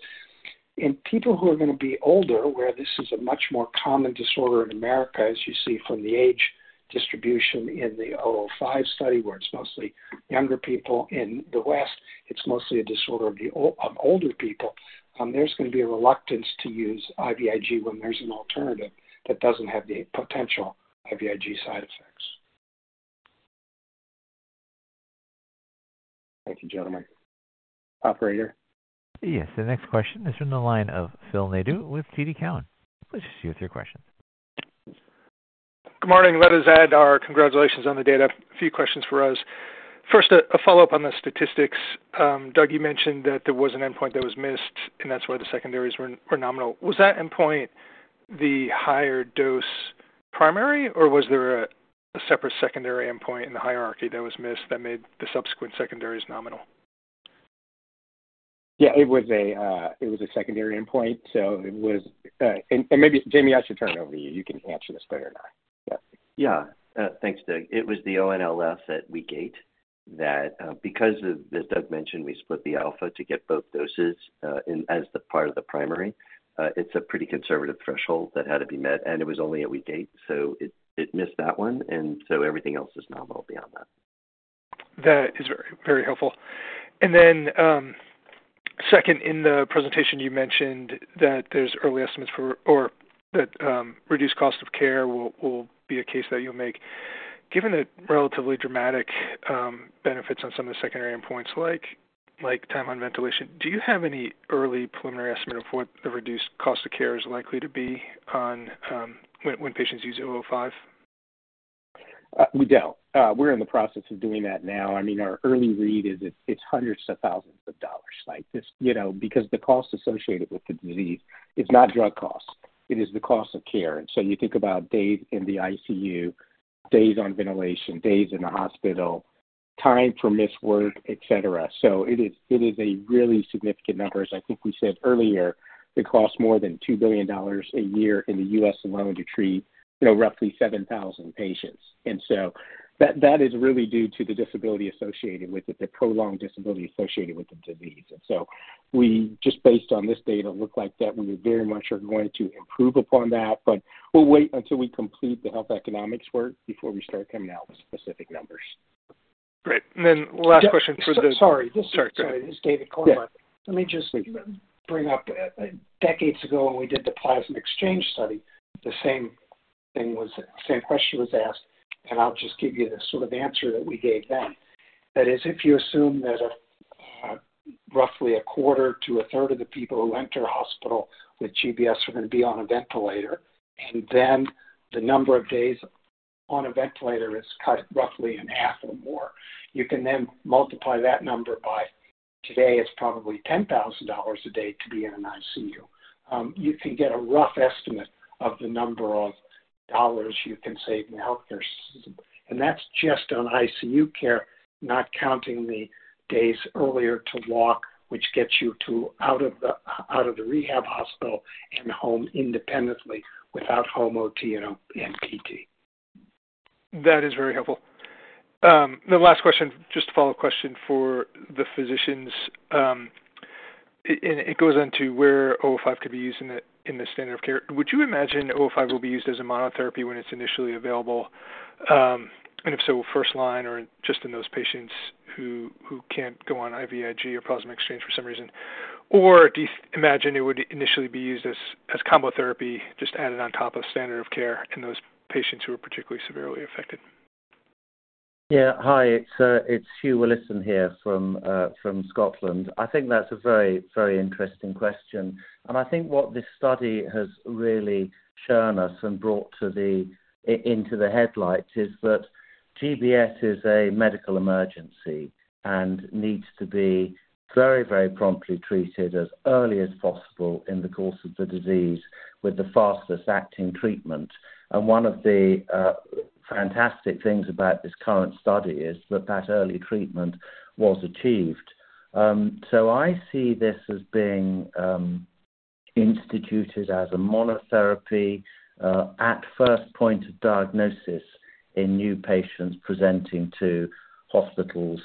in people who are going to be older, where this is a much more common disorder in America, as you see from the age distribution in the ANX005 study, where it's mostly younger people. In the West, it's mostly a disorder of older people. There's going to be a reluctance to use IVIG when there's an alternative that doesn't have the potential IVIG side effects. Thank you, gentlemen. Operator? Yes, the next question is from the line of Phil Nadeau with TD Cowen. Please proceed with your question. Good morning. Let us add our congratulations on the data. A few questions for us. First, a follow-up on the statistics. Doug, you mentioned that there was an endpoint that was missed, and that's why the secondaries were nominal. Was that endpoint the higher dose primary, or was there a separate secondary endpoint in the hierarchy that was missed, that made the subsequent secondaries nominal? Yeah, it was a secondary endpoint, so it was. And maybe, Jamie, I should turn it over to you. You can answer this better than I. Yeah. Yeah. Thanks, Doug. It was the ONLS at week eight, that, because of, as Doug mentioned, we split the alpha to get both doses in as the part of the primary. It's a pretty conservative threshold that had to be met, and it was only at week eight, so it missed that one, and so everything else is nominal beyond that. That is very helpful. And then, second, in the presentation, you mentioned that there's early estimates for, or that, reduced cost of care will, will be a case that you'll make. Given the relatively dramatic, benefits on some of the secondary endpoints, like, like time on ventilation, do you have any early preliminary estimate of what the reduced cost of care is likely to be on, when, when patients use ANX005? We don't. We're in the process of doing that now. I mean, our early read is it's, it's hundreds of thousands of dollars. Like, this, you know, because the cost associated with the disease is not drug costs, it is the cost of care. And so you think about days in the ICU, days on ventilation, days in the hospital, time for missed work, et cetera. So it is, it is a really significant number. As I think we said earlier, it costs more than $2 billion a year in the U.S. alone to treat, you know, roughly 7,000 patients. And so that, that is really due to the disability associated with it, the prolonged disability associated with the disease. And so we, just based on this data, look like that we very much are going to improve upon that, but we'll wait until we complete the health economics work before we start coming out with specific numbers. Great. And then last question for the- Sorry. Sorry, go ahead. This is David Cornblath. Yeah. Let me just bring up, decades ago, when we did the plasma exchange study, the same thing was, the same question was asked, and I'll just give you the sort of answer that we gave then. That is, if you assume that, roughly a quarter to a third of the people who enter a hospital with GBS are going to be on a ventilator, and then the number of days on a ventilator is cut roughly in half or more, you can then multiply that number by, today, it's probably $10,000 a day to be in an ICU. You can get a rough estimate of the number of dollars you can save in the healthcare system, and that's just on ICU care, not counting the days earlier to walk, which gets you out of the rehab hospital and home independently without home OT and PT. That is very helpful. The last question, just a follow-up question for the physicians. And it goes into where ANX005 could be used in the standard of care. Would you imagine ANX005 will be used as a monotherapy when it's initially available? And if so, first-line, or just in those patients who can't go on IVIG or plasma exchange for some reason? Or do you imagine it would initially be used as combo therapy, just added on top of standard of care in those patients who are particularly severely affected? Yeah. Hi, it's Hugh Willison here from Scotland. I think that's a very, very interesting question, and I think what this study has really shown us and brought to the into the headlights is that GBS is a medical emergency and needs to be very, very promptly treated as early as possible in the course of the disease with the fastest-acting treatment. And one of the fantastic things about this current study is that that early treatment was achieved. So I see this as being instituted as a monotherapy at first point of diagnosis in new patients presenting to hospitals,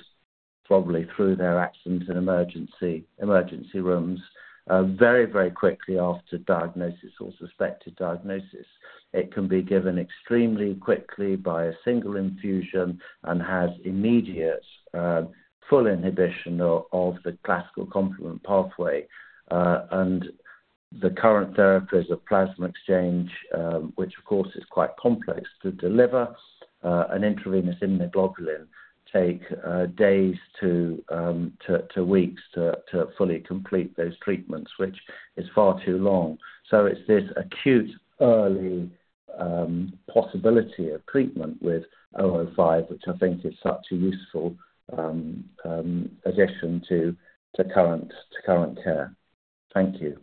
probably through their accident and emergency rooms very, very quickly after diagnosis or suspected diagnosis. It can be given extremely quickly by a single infusion and has immediate full inhibition of the classical complement pathway. And the current therapies of plasma exchange, which of course is quite complex to deliver, an intravenous immunoglobulin, take days to weeks to fully complete those treatments, which is far too long. So it's this acute possibility of treatment with ANX005, which I think is such a useful addition to current care. Thank you.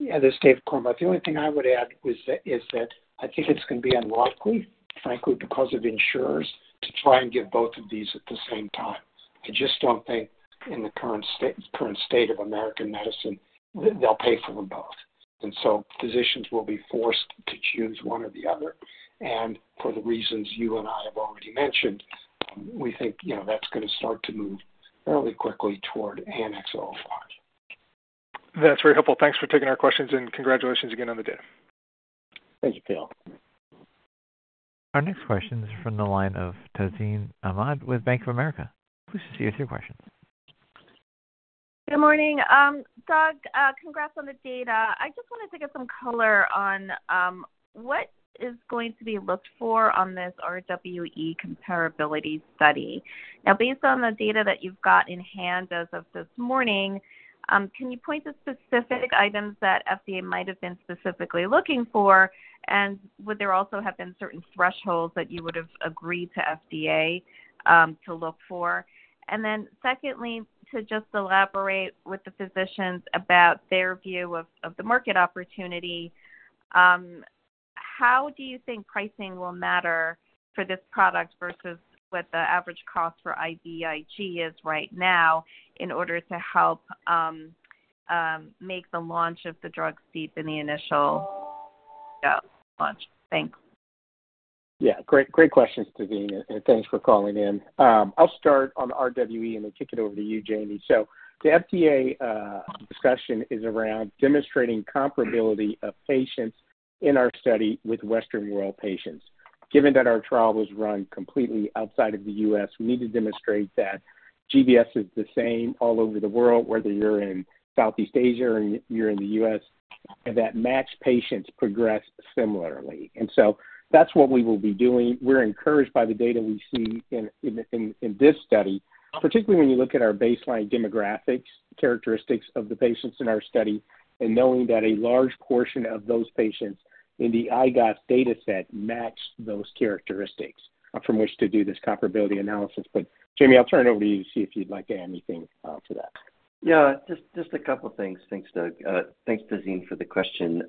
Yeah, this is David Cornblath. The only thing I would add is that I think it's going to be unlikely, frankly, because of insurers, to try and give both of these at the same time. I just don't think in the current state of American medicine, they'll pay for them both. And so physicians will be forced to choose one or the other. And for the reasons you and I have already mentioned, we think, you know, that's gonna start to move fairly quickly toward ANX005. That's very helpful. Thanks for taking our questions, and congratulations again on the day. Thank you, Phil. Our next question is from the line of Tazeen Ahmad with Bank of America. Please proceed with your question. Good morning. Doug, congrats on the data. I just wanted to get some color on what is going to be looked for on this RWE comparability study. Now, based on the data that you've got in hand as of this morning, can you point to specific items that FDA might have been specifically looking for? And would there also have been certain thresholds that you would have agreed to FDA to look for? And then secondly, to just elaborate with the physicians about their view of the market opportunity, how do you think pricing will matter for this product versus what the average cost for IVIG is right now in order to help make the launch of the drug steep in the initial launch? Thanks. Yeah, great, great questions, Tazeen, and thanks for calling in. I'll start on RWE and then kick it over to you, Jamie. So the FDA discussion is around demonstrating comparability of patients in our study with Western world patients. Given that our trial was run completely outside of the U.S., we need to demonstrate that GBS is the same all over the world, whether you're in Southeast Asia or you're in the U.S., and that matched patients progress similarly. And so that's what we will be doing. We're encouraged by the data we see in this study, particularly when you look at our baseline demographics, characteristics of the patients in our study, and knowing that a large portion of those patients in the IGOS dataset match those characteristics from which to do this comparability analysis. But Jamie, I'll turn it over to you to see if you'd like to add anything to that. Yeah, just a couple of things. Thanks, Doug. Thanks, Tazeen, for the question.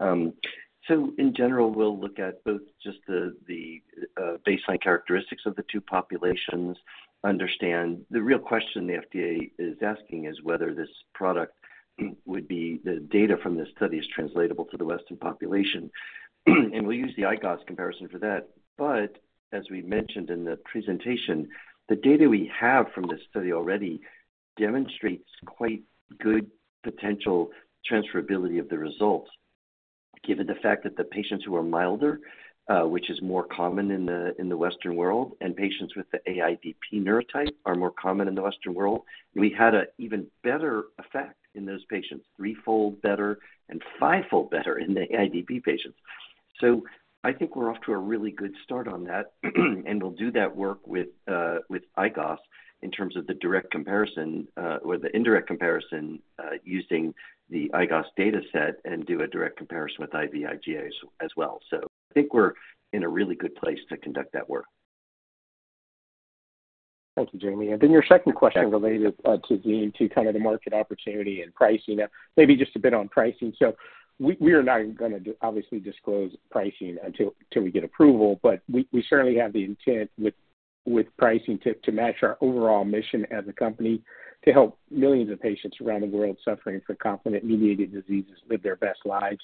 So in general, we'll look at both just the baseline characteristics of the two populations. Understand, the real question the FDA is asking is whether this product would be... the data from this study is translatable to the Western population, and we'll use the IGOS comparison for that. But as we mentioned in the presentation, the data we have from this study already demonstrates quite good potential transferability of the results, given the fact that the patients who are milder, which is more common in the Western world, and patients with the AIDP neurotype are more common in the Western world. We had an even better effect in those patients, threefold better and fivefold better in the AIDP patients. So I think we're off to a really good start on that, and we'll do that work with IGOS in terms of the direct comparison or the indirect comparison, using the IGOS dataset and do a direct comparison with IVIG as well. So I think we're in a really good place to conduct that work. Thank you, Jamie. And then your second question related to the market opportunity and pricing. Maybe just a bit on pricing. So we are not gonna obviously disclose pricing until we get approval, but we certainly have the intent with pricing to match our overall mission as a company to help millions of patients around the world suffering from complement-mediated diseases live their best lives.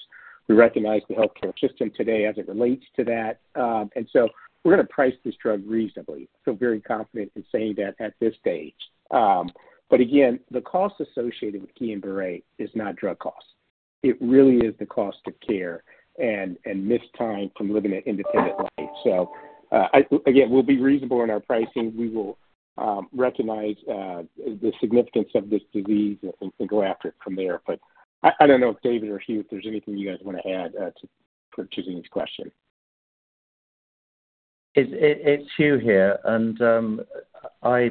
We recognize the healthcare system today as it relates to that. And so we're gonna price this drug reasonably. Feel very confident in saying that at this stage. But again, the cost associated with Guillain-Barré is not drug costs. It really is the cost of care and missed time from living an independent life. So, I again, we'll be reasonable in our pricing. We will recognize the significance of this disease and go after it from there. But I don't know if David or Hugh, if there's anything you guys want to add to for Tazeen's question. It's Hugh here, and I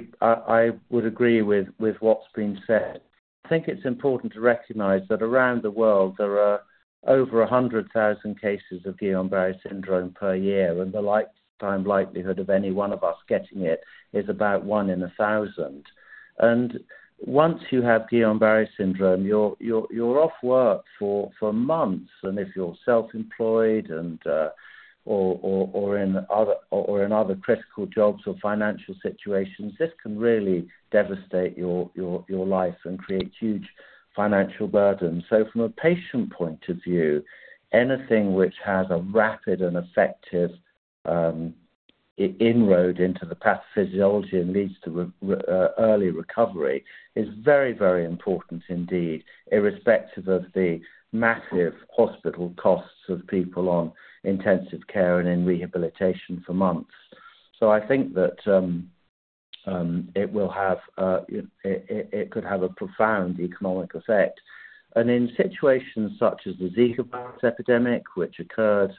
would agree with what's been said. I think it's important to recognize that around the world there are over 100,000 cases of Guillain-Barré syndrome per year, and the lifetime likelihood of any one of us getting it is about one in 1,000. Once you have Guillain-Barré syndrome, you're off work for months. If you're self-employed or in other critical jobs or financial situations, this can really devastate your life and create huge financial burden. From a patient point of view, anything which has a rapid and effective inroad into the pathophysiology and leads to early recovery is very, very important indeed, irrespective of the massive hospital costs of people on intensive care and in rehabilitation for months. So I think that it could have a profound economic effect. And in situations such as the Zika virus epidemic, which occurred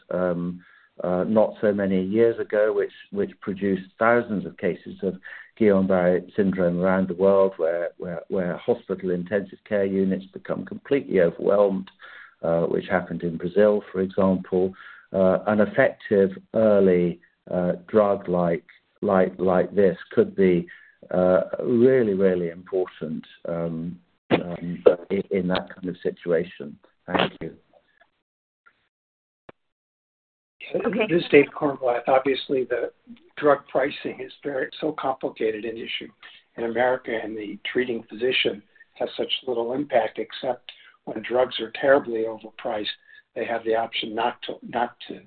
not so many years ago, which produced thousands of cases of Guillain-Barré syndrome around the world, where hospital intensive care units become completely overwhelmed, which happened in Brazil, for example, an effective early drug like this could be really, really important in that kind of situation. Thank you. Okay. This is David Cornblath. Obviously, the drug pricing is very so complicated an issue in America, and the treating physician has such little impact, except when drugs are terribly overpriced, they have the option not to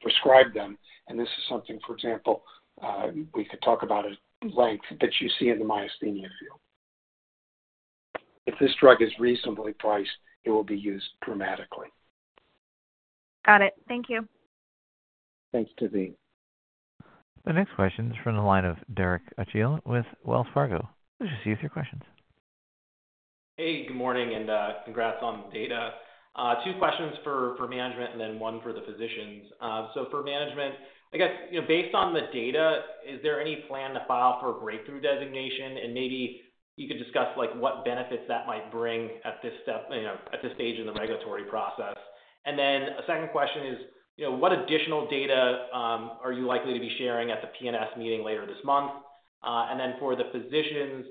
prescribe them. And this is something, for example, we could talk about at length, that you see in the myasthenia field. If this drug is reasonably priced, it will be used dramatically. Got it. Thank you. Thanks, Tazeen. The next question is from the line of Derek Archila with Wells Fargo. Please proceed with your questions. Hey, good morning, and congrats on the data. Two questions for management and then one for the physicians. So for management, I guess, you know, based on the data, is there any plan to file for breakthrough designation? And maybe you could discuss, like, what benefits that might bring at this step, you know, at this stage in the regulatory process. And then a second question is, you know, what additional data are you likely to be sharing at the PNS meeting later this month? And then for the physicians,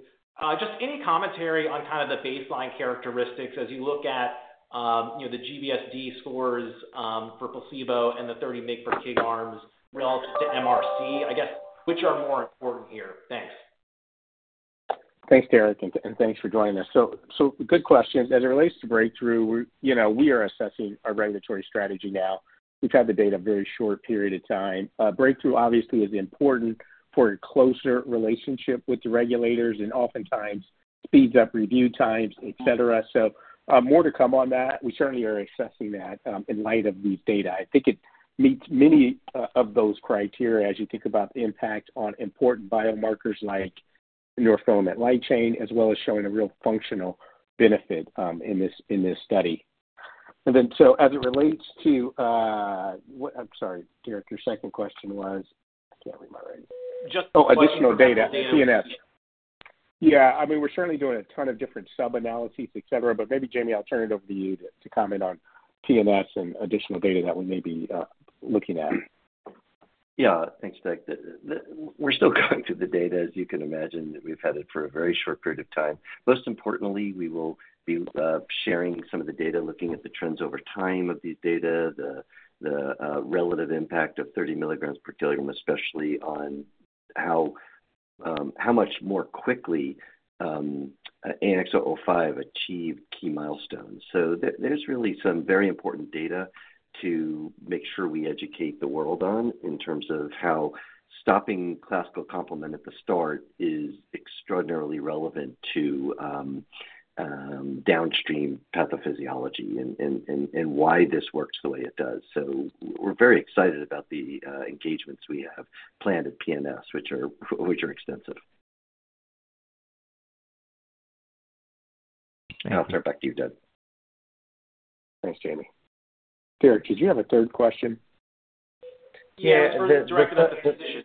just any commentary on kind of the baseline characteristics as you look at, you know, the GBS-D scores for placebo and the 30 mg per kilogram arms relative to MRC, I guess, which are more important here? Thanks. Thanks, Derek, and thanks for joining us. So good questions. As it relates to breakthrough, we're, you know, we are assessing our regulatory strategy now. We've had the data a very short period of time. Breakthrough, obviously, is important for a closer relationship with the regulators and oftentimes speeds up review times, et cetera. So, more to come on that. We certainly are assessing that, in light of these data. I think it meets many, of those criteria as you think about the impact on important biomarkers like neurofilament light chain, as well as showing a real functional benefit, in this, in this study. And then, so as it relates to, what, I'm sorry, Derek, your second question was? I can't read my writing. Just- Oh, additional data, PNS. Yeah. I mean, we're certainly doing a ton of different sub-analyses, et cetera, but maybe, Jamie, I'll turn it over to you to, to comment on PNS and additional data that we may be looking at. Yeah. Thanks, Derek. We're still going through the data, as you can imagine. We've had it for a very short period of time. Most importantly, we will be sharing some of the data, looking at the trends over time of these data, the relative impact of 30 mg per kilogram, especially on how much more quickly ANX005 achieved key milestones. So there's really some very important data to make sure we educate the world on in terms of how stopping classical complement at the start is extraordinarily relevant to downstream pathophysiology and why this works the way it does. So we're very excited about the engagements we have planned at PNS, which are extensive. And I'll turn it back to you, Doug. Thanks, Jamie. Derek, did you have a third question? Yeah. Yeah, the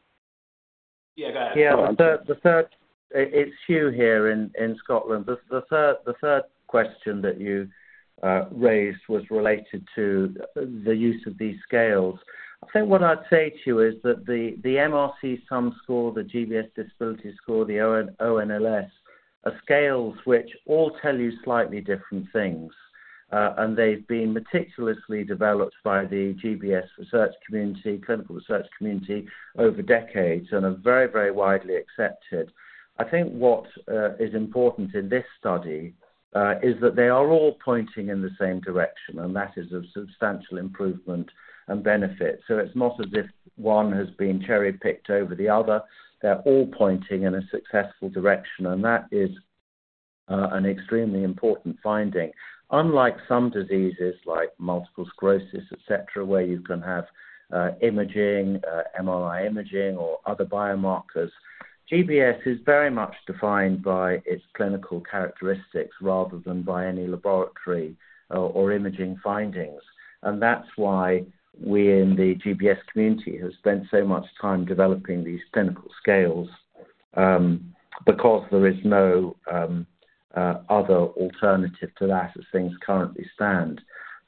third- the third, It's Hugh here in Scotland. The third question that you raised was related to the use of these scales. I think what I'd say to you is that the MRC Sum Score, the GBS Disability Scale, the ONLS, are scales which all tell you slightly different things. And they've been meticulously developed by the GBS research community, clinical research community, over decades and are very, very widely accepted. I think what is important in this study is that they are all pointing in the same direction, and that is of substantial improvement and benefit. So it's not as if one has been cherry-picked over the other. They're all pointing in a successful direction, and that is an extremely important finding. Unlike some diseases like multiple sclerosis, et cetera, where you can have, imaging, MRI imaging or other biomarkers, GBS is very much defined by its clinical characteristics rather than by any laboratory or imaging findings. And that's why we in the GBS community have spent so much time developing these clinical scales, because there is no, other alternative to that as things currently stand.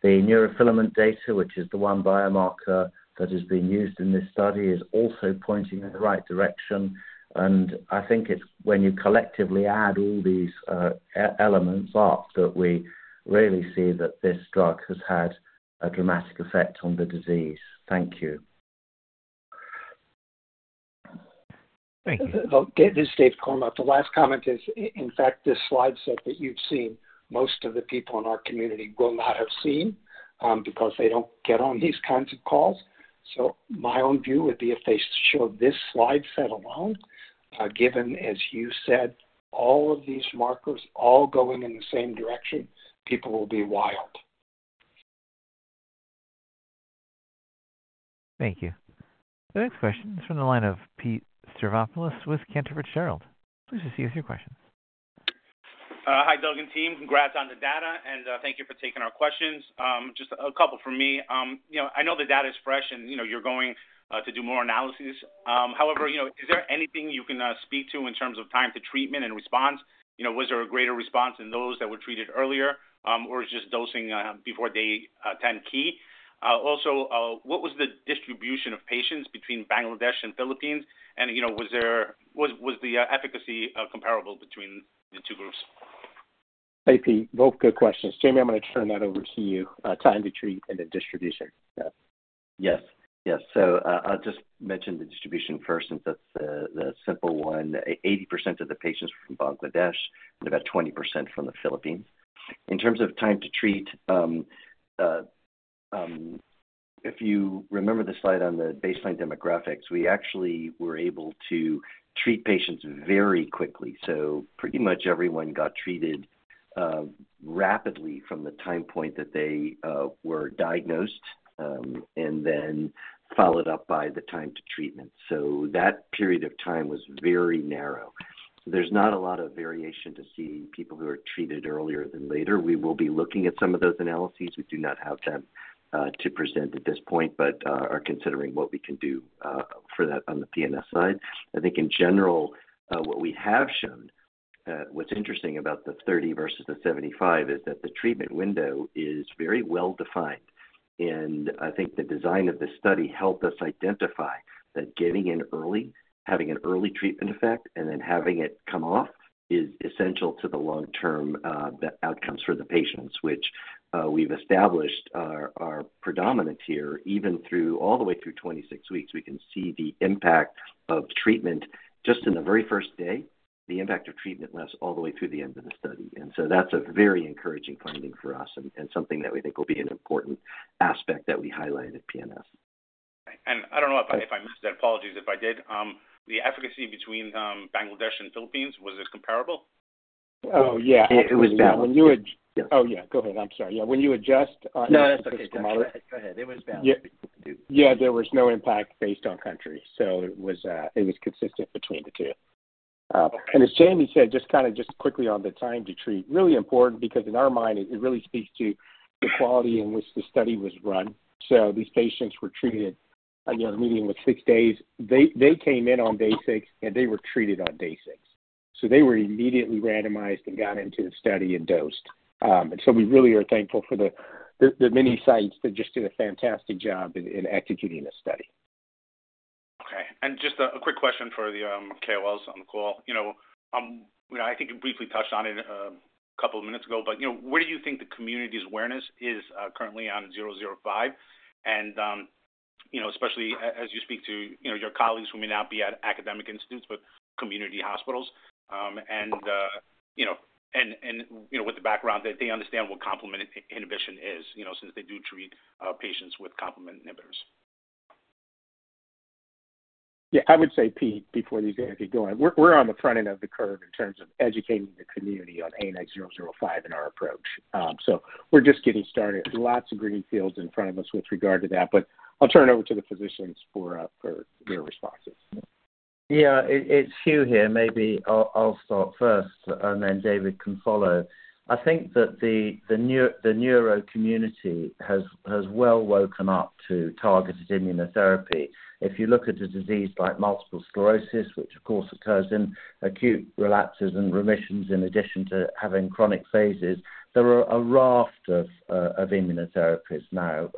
The neurofilament data, which is the one biomarker that is being used in this study, is also pointing in the right direction. And I think it's when you collectively add all these, elements up, that we really see that this drug has had a dramatic effect on the disease. Thank you. Thank you. This is David Cornblath. The last comment is, in fact, this slide set that you've seen, most of the people in our community will not have seen, because they don't get on these kinds of calls. So my own view would be if they showed this slide set alone, given, as you said, all of these markers all going in the same direction, people will be wild. Thank you. The next question is from the line of Pete Stavropoulos with Cantor Fitzgerald. Please proceed with your question. Hi, Doug and team. Congrats on the data, and thank you for taking our questions. Just a couple from me. You know, I know the data is fresh, and you know, you're going to do more analysis. However, you know, is there anything you can speak to in terms of time to treatment and response? You know, was there a greater response in those that were treated earlier, or just dosing before day 10 key? Also, what was the distribution of patients between Bangladesh and Philippines? And you know, was there, was the efficacy comparable between the two groups? Hey, Pete. Both good questions. Jamie, I'm going to turn that over to you, time to treat and then distribution. Yeah. Yes. Yes. So, I'll just mention the distribution first, since that's the simple one. 80% of the patients were from Bangladesh and about 20% from the Philippines. In terms of time to treat, if you remember the slide on the baseline demographics, we actually were able to treat patients very quickly. So pretty much everyone got treated rapidly from the time point that they were diagnosed, and then followed up by the time to treatment. So that period of time was very narrow. There's not a lot of variation to see people who are treated earlier than later. We will be looking at some of those analyses. We do not have them to present at this point, but are considering what we can do for that on the PNS side. I think in general, what we have shown, what's interesting about the 30 versus the 75, is that the treatment window is very well defined. And I think the design of the study helped us identify that getting in early, having an early treatment effect, and then having it come off, is essential to the long-term, the outcomes for the patients, which, we've established are predominant here. Even through all the way through 26 weeks, we can see the impact of treatment just in the very first day. The impact of treatment lasts all the way through the end of the study, and so that's a very encouraging finding for us and, and something that we think will be an important aspect that we highlight at PNS. I don't know if I missed that. Apologies, if I did. The efficacy between Bangladesh and Philippines, was this comparable? Oh, yeah. [CROSSTALK] Oh, yeah. Go ahead. I'm sorry. Yeah, when you adjust, No, that's okay, go ahead. Go ahead. It was down. Yeah. Yeah, there was no impact based on country, so it was, it was consistent between the two. Okay. And as Jamie said, just kinda quickly on the time to treat, really important, because in our mind, it really speaks to the quality in which the study was run. So these patients were treated, again, a median of six days. They came in on day six, and they were treated on day six. So they were immediately randomized and got into the study and dosed. And so we really are thankful for the many sites that just did a fantastic job in executing this study. Okay. And just a quick question for the KOLs on the call. You know, you know, I think you briefly touched on it a couple of minutes ago, but, you know, where do you think the community's awareness is currently on ANX005? And, you know, especially as you speak to, you know, your colleagues who may not be at academic institutes, but community hospitals, and, you know, and, you know, with the background that they understand what complement inhibition is, you know, since they do treat patients with complement inhibitors. Yeah, I would say, Pete, before these guys get going, we're on the front end of the curve in terms of educating the community on ANX005 and our approach. So we're just getting started. Lots of green fields in front of us with regard to that, but I'll turn it over to the physicians for their responses. Yeah, it's Hugh here. Maybe I'll start first, and then David can follow. I think that the neuro community has well woken up to targeted immunotherapy. If you look at a disease like multiple sclerosis, which of course occurs in acute relapses and remissions, in addition to having chronic phases, there are a raft of immunotherapies now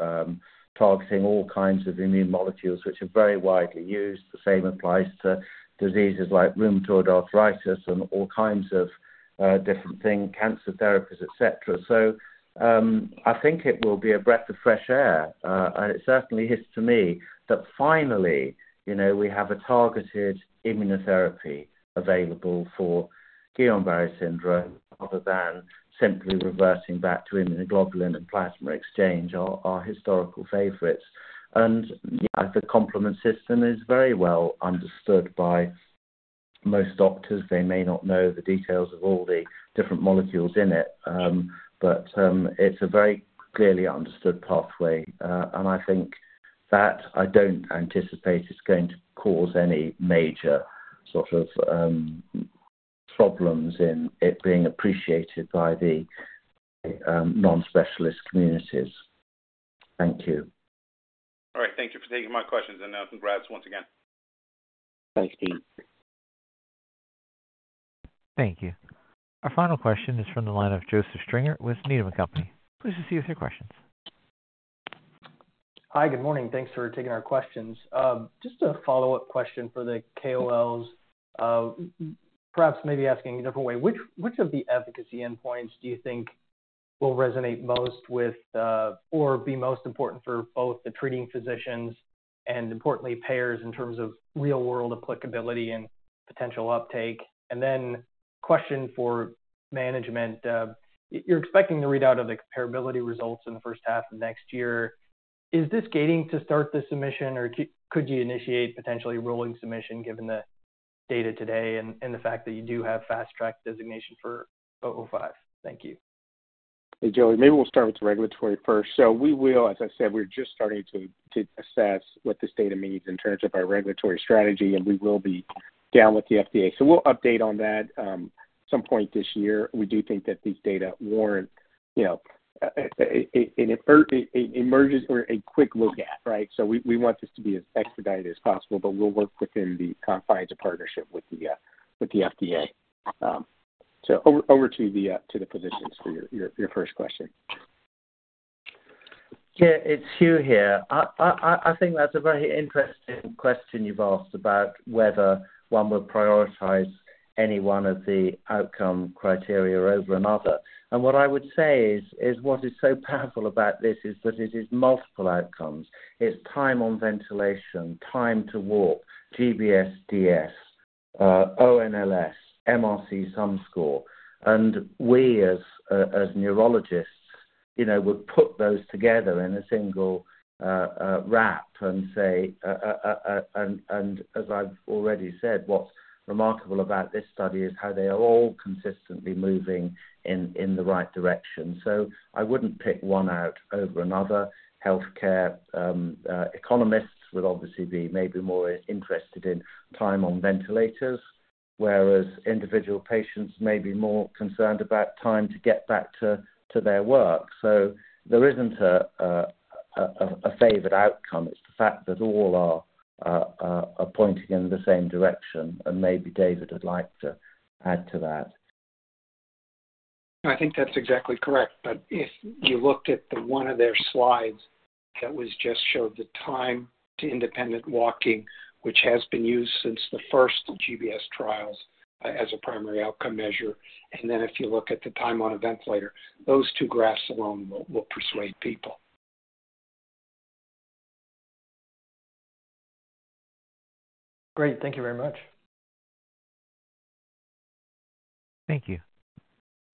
targeting all kinds of immune molecules, which are very widely used. The same applies to diseases like rheumatoid arthritis and all kinds of different things, cancer therapies, et cetera. So, I think it will be a breath of fresh air, and it certainly is to me, that finally, you know, we have a targeted immunotherapy available for Guillain-Barré syndrome, other than simply reversing back to immunoglobulin and plasma exchange, our historical favorites. Yeah, the complement system is very well understood by most doctors. They may not know the details of all the different molecules in it, but it's a very clearly understood pathway. I think that I don't anticipate is going to cause any major sort of problems in it being appreciated by the non-specialist communities. Thank you. All right. Thank you for taking my questions, and, congrats once again. Thanks, Pete. Thank you. Our final question is from the line of Joseph Stringer with Needham & Company. Please proceed with your questions. Hi, good morning. Thanks for taking our questions. Just a follow-up question for the KOLs. Perhaps maybe asking a different way, which, which of the efficacy endpoints do you think will resonate most with, or be most important for both the treating physicians and importantly, payers in terms of real-world applicability and potential uptake? And then question for management. You're expecting the readout of the comparability results in the first half of next year. Is this gating to start the submission, or could you initiate potentially rolling submission given the data today and, and the fact that you do have fast track designation for ANX005? Thank you. Hey, Joe, maybe we'll start with the regulatory first. So we will, as I said, we're just starting to assess what this data means in terms of our regulatory strategy, and we will be down with the FDA. So we'll update on that some point this year. We do think that these data warrant, you know, an emergent or a quick look at, right? So we want this to be as expedited as possible, but we'll work within the confines of partnership with the FDA. So over to the physicians for your first question. Yeah, it's Hugh here. I think that's a very interesting question you've asked about whether one would prioritize any one of the outcome criteria over another. And what I would say is what is so powerful about this is that it is multiple outcomes. It's time on ventilation, time to walk, GBS-DS, ONLS, MRC Sum Score. And we as neurologists, you know, would put those together in a single and as I've already said, what's remarkable about this study is how they are all consistently moving in the right direction. So I wouldn't pick one out over another. Healthcare economists would obviously be maybe more interested in time on ventilators, whereas individual patients may be more concerned about time to get back to their work. So there isn't a favored outcome. It's the fact that all are pointing in the same direction, and maybe David would like to add to that. I think that's exactly correct. But if you looked at the one of their slides that was just showed the time to independent walking, which has been used since the first GBS trials as a primary outcome measure, and then if you look at the time on a ventilator, those two graphs alone will persuade people. Great. Thank you very much. Thank you.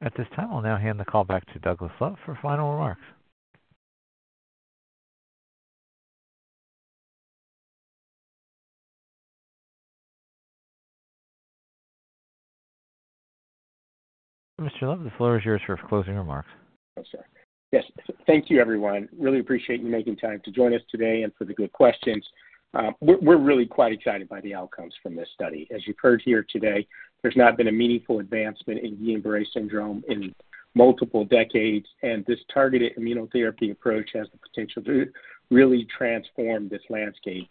At this time, I'll now hand the call back to Douglas Love for final remarks. Mr. Love, the floor is yours for closing remarks. Yes, sir. Yes, thank you, everyone. Really appreciate you making time to join us today and for the good questions. We're really quite excited by the outcomes from this study. As you've heard here today, there's not been a meaningful advancement in Guillain-Barré syndrome in multiple decades, and this targeted immunotherapy approach has the potential to really transform this landscape.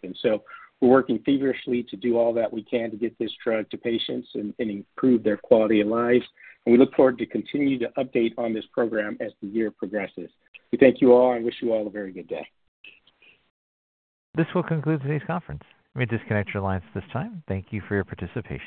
We're working feverishly to do all that we can to get this drug to patients and improve their quality of lives. We look forward to continuing to update on this program as the year progresses. We thank you all and wish you all a very good day. This will conclude today's conference. You may disconnect your lines at this time. Thank you for your participation.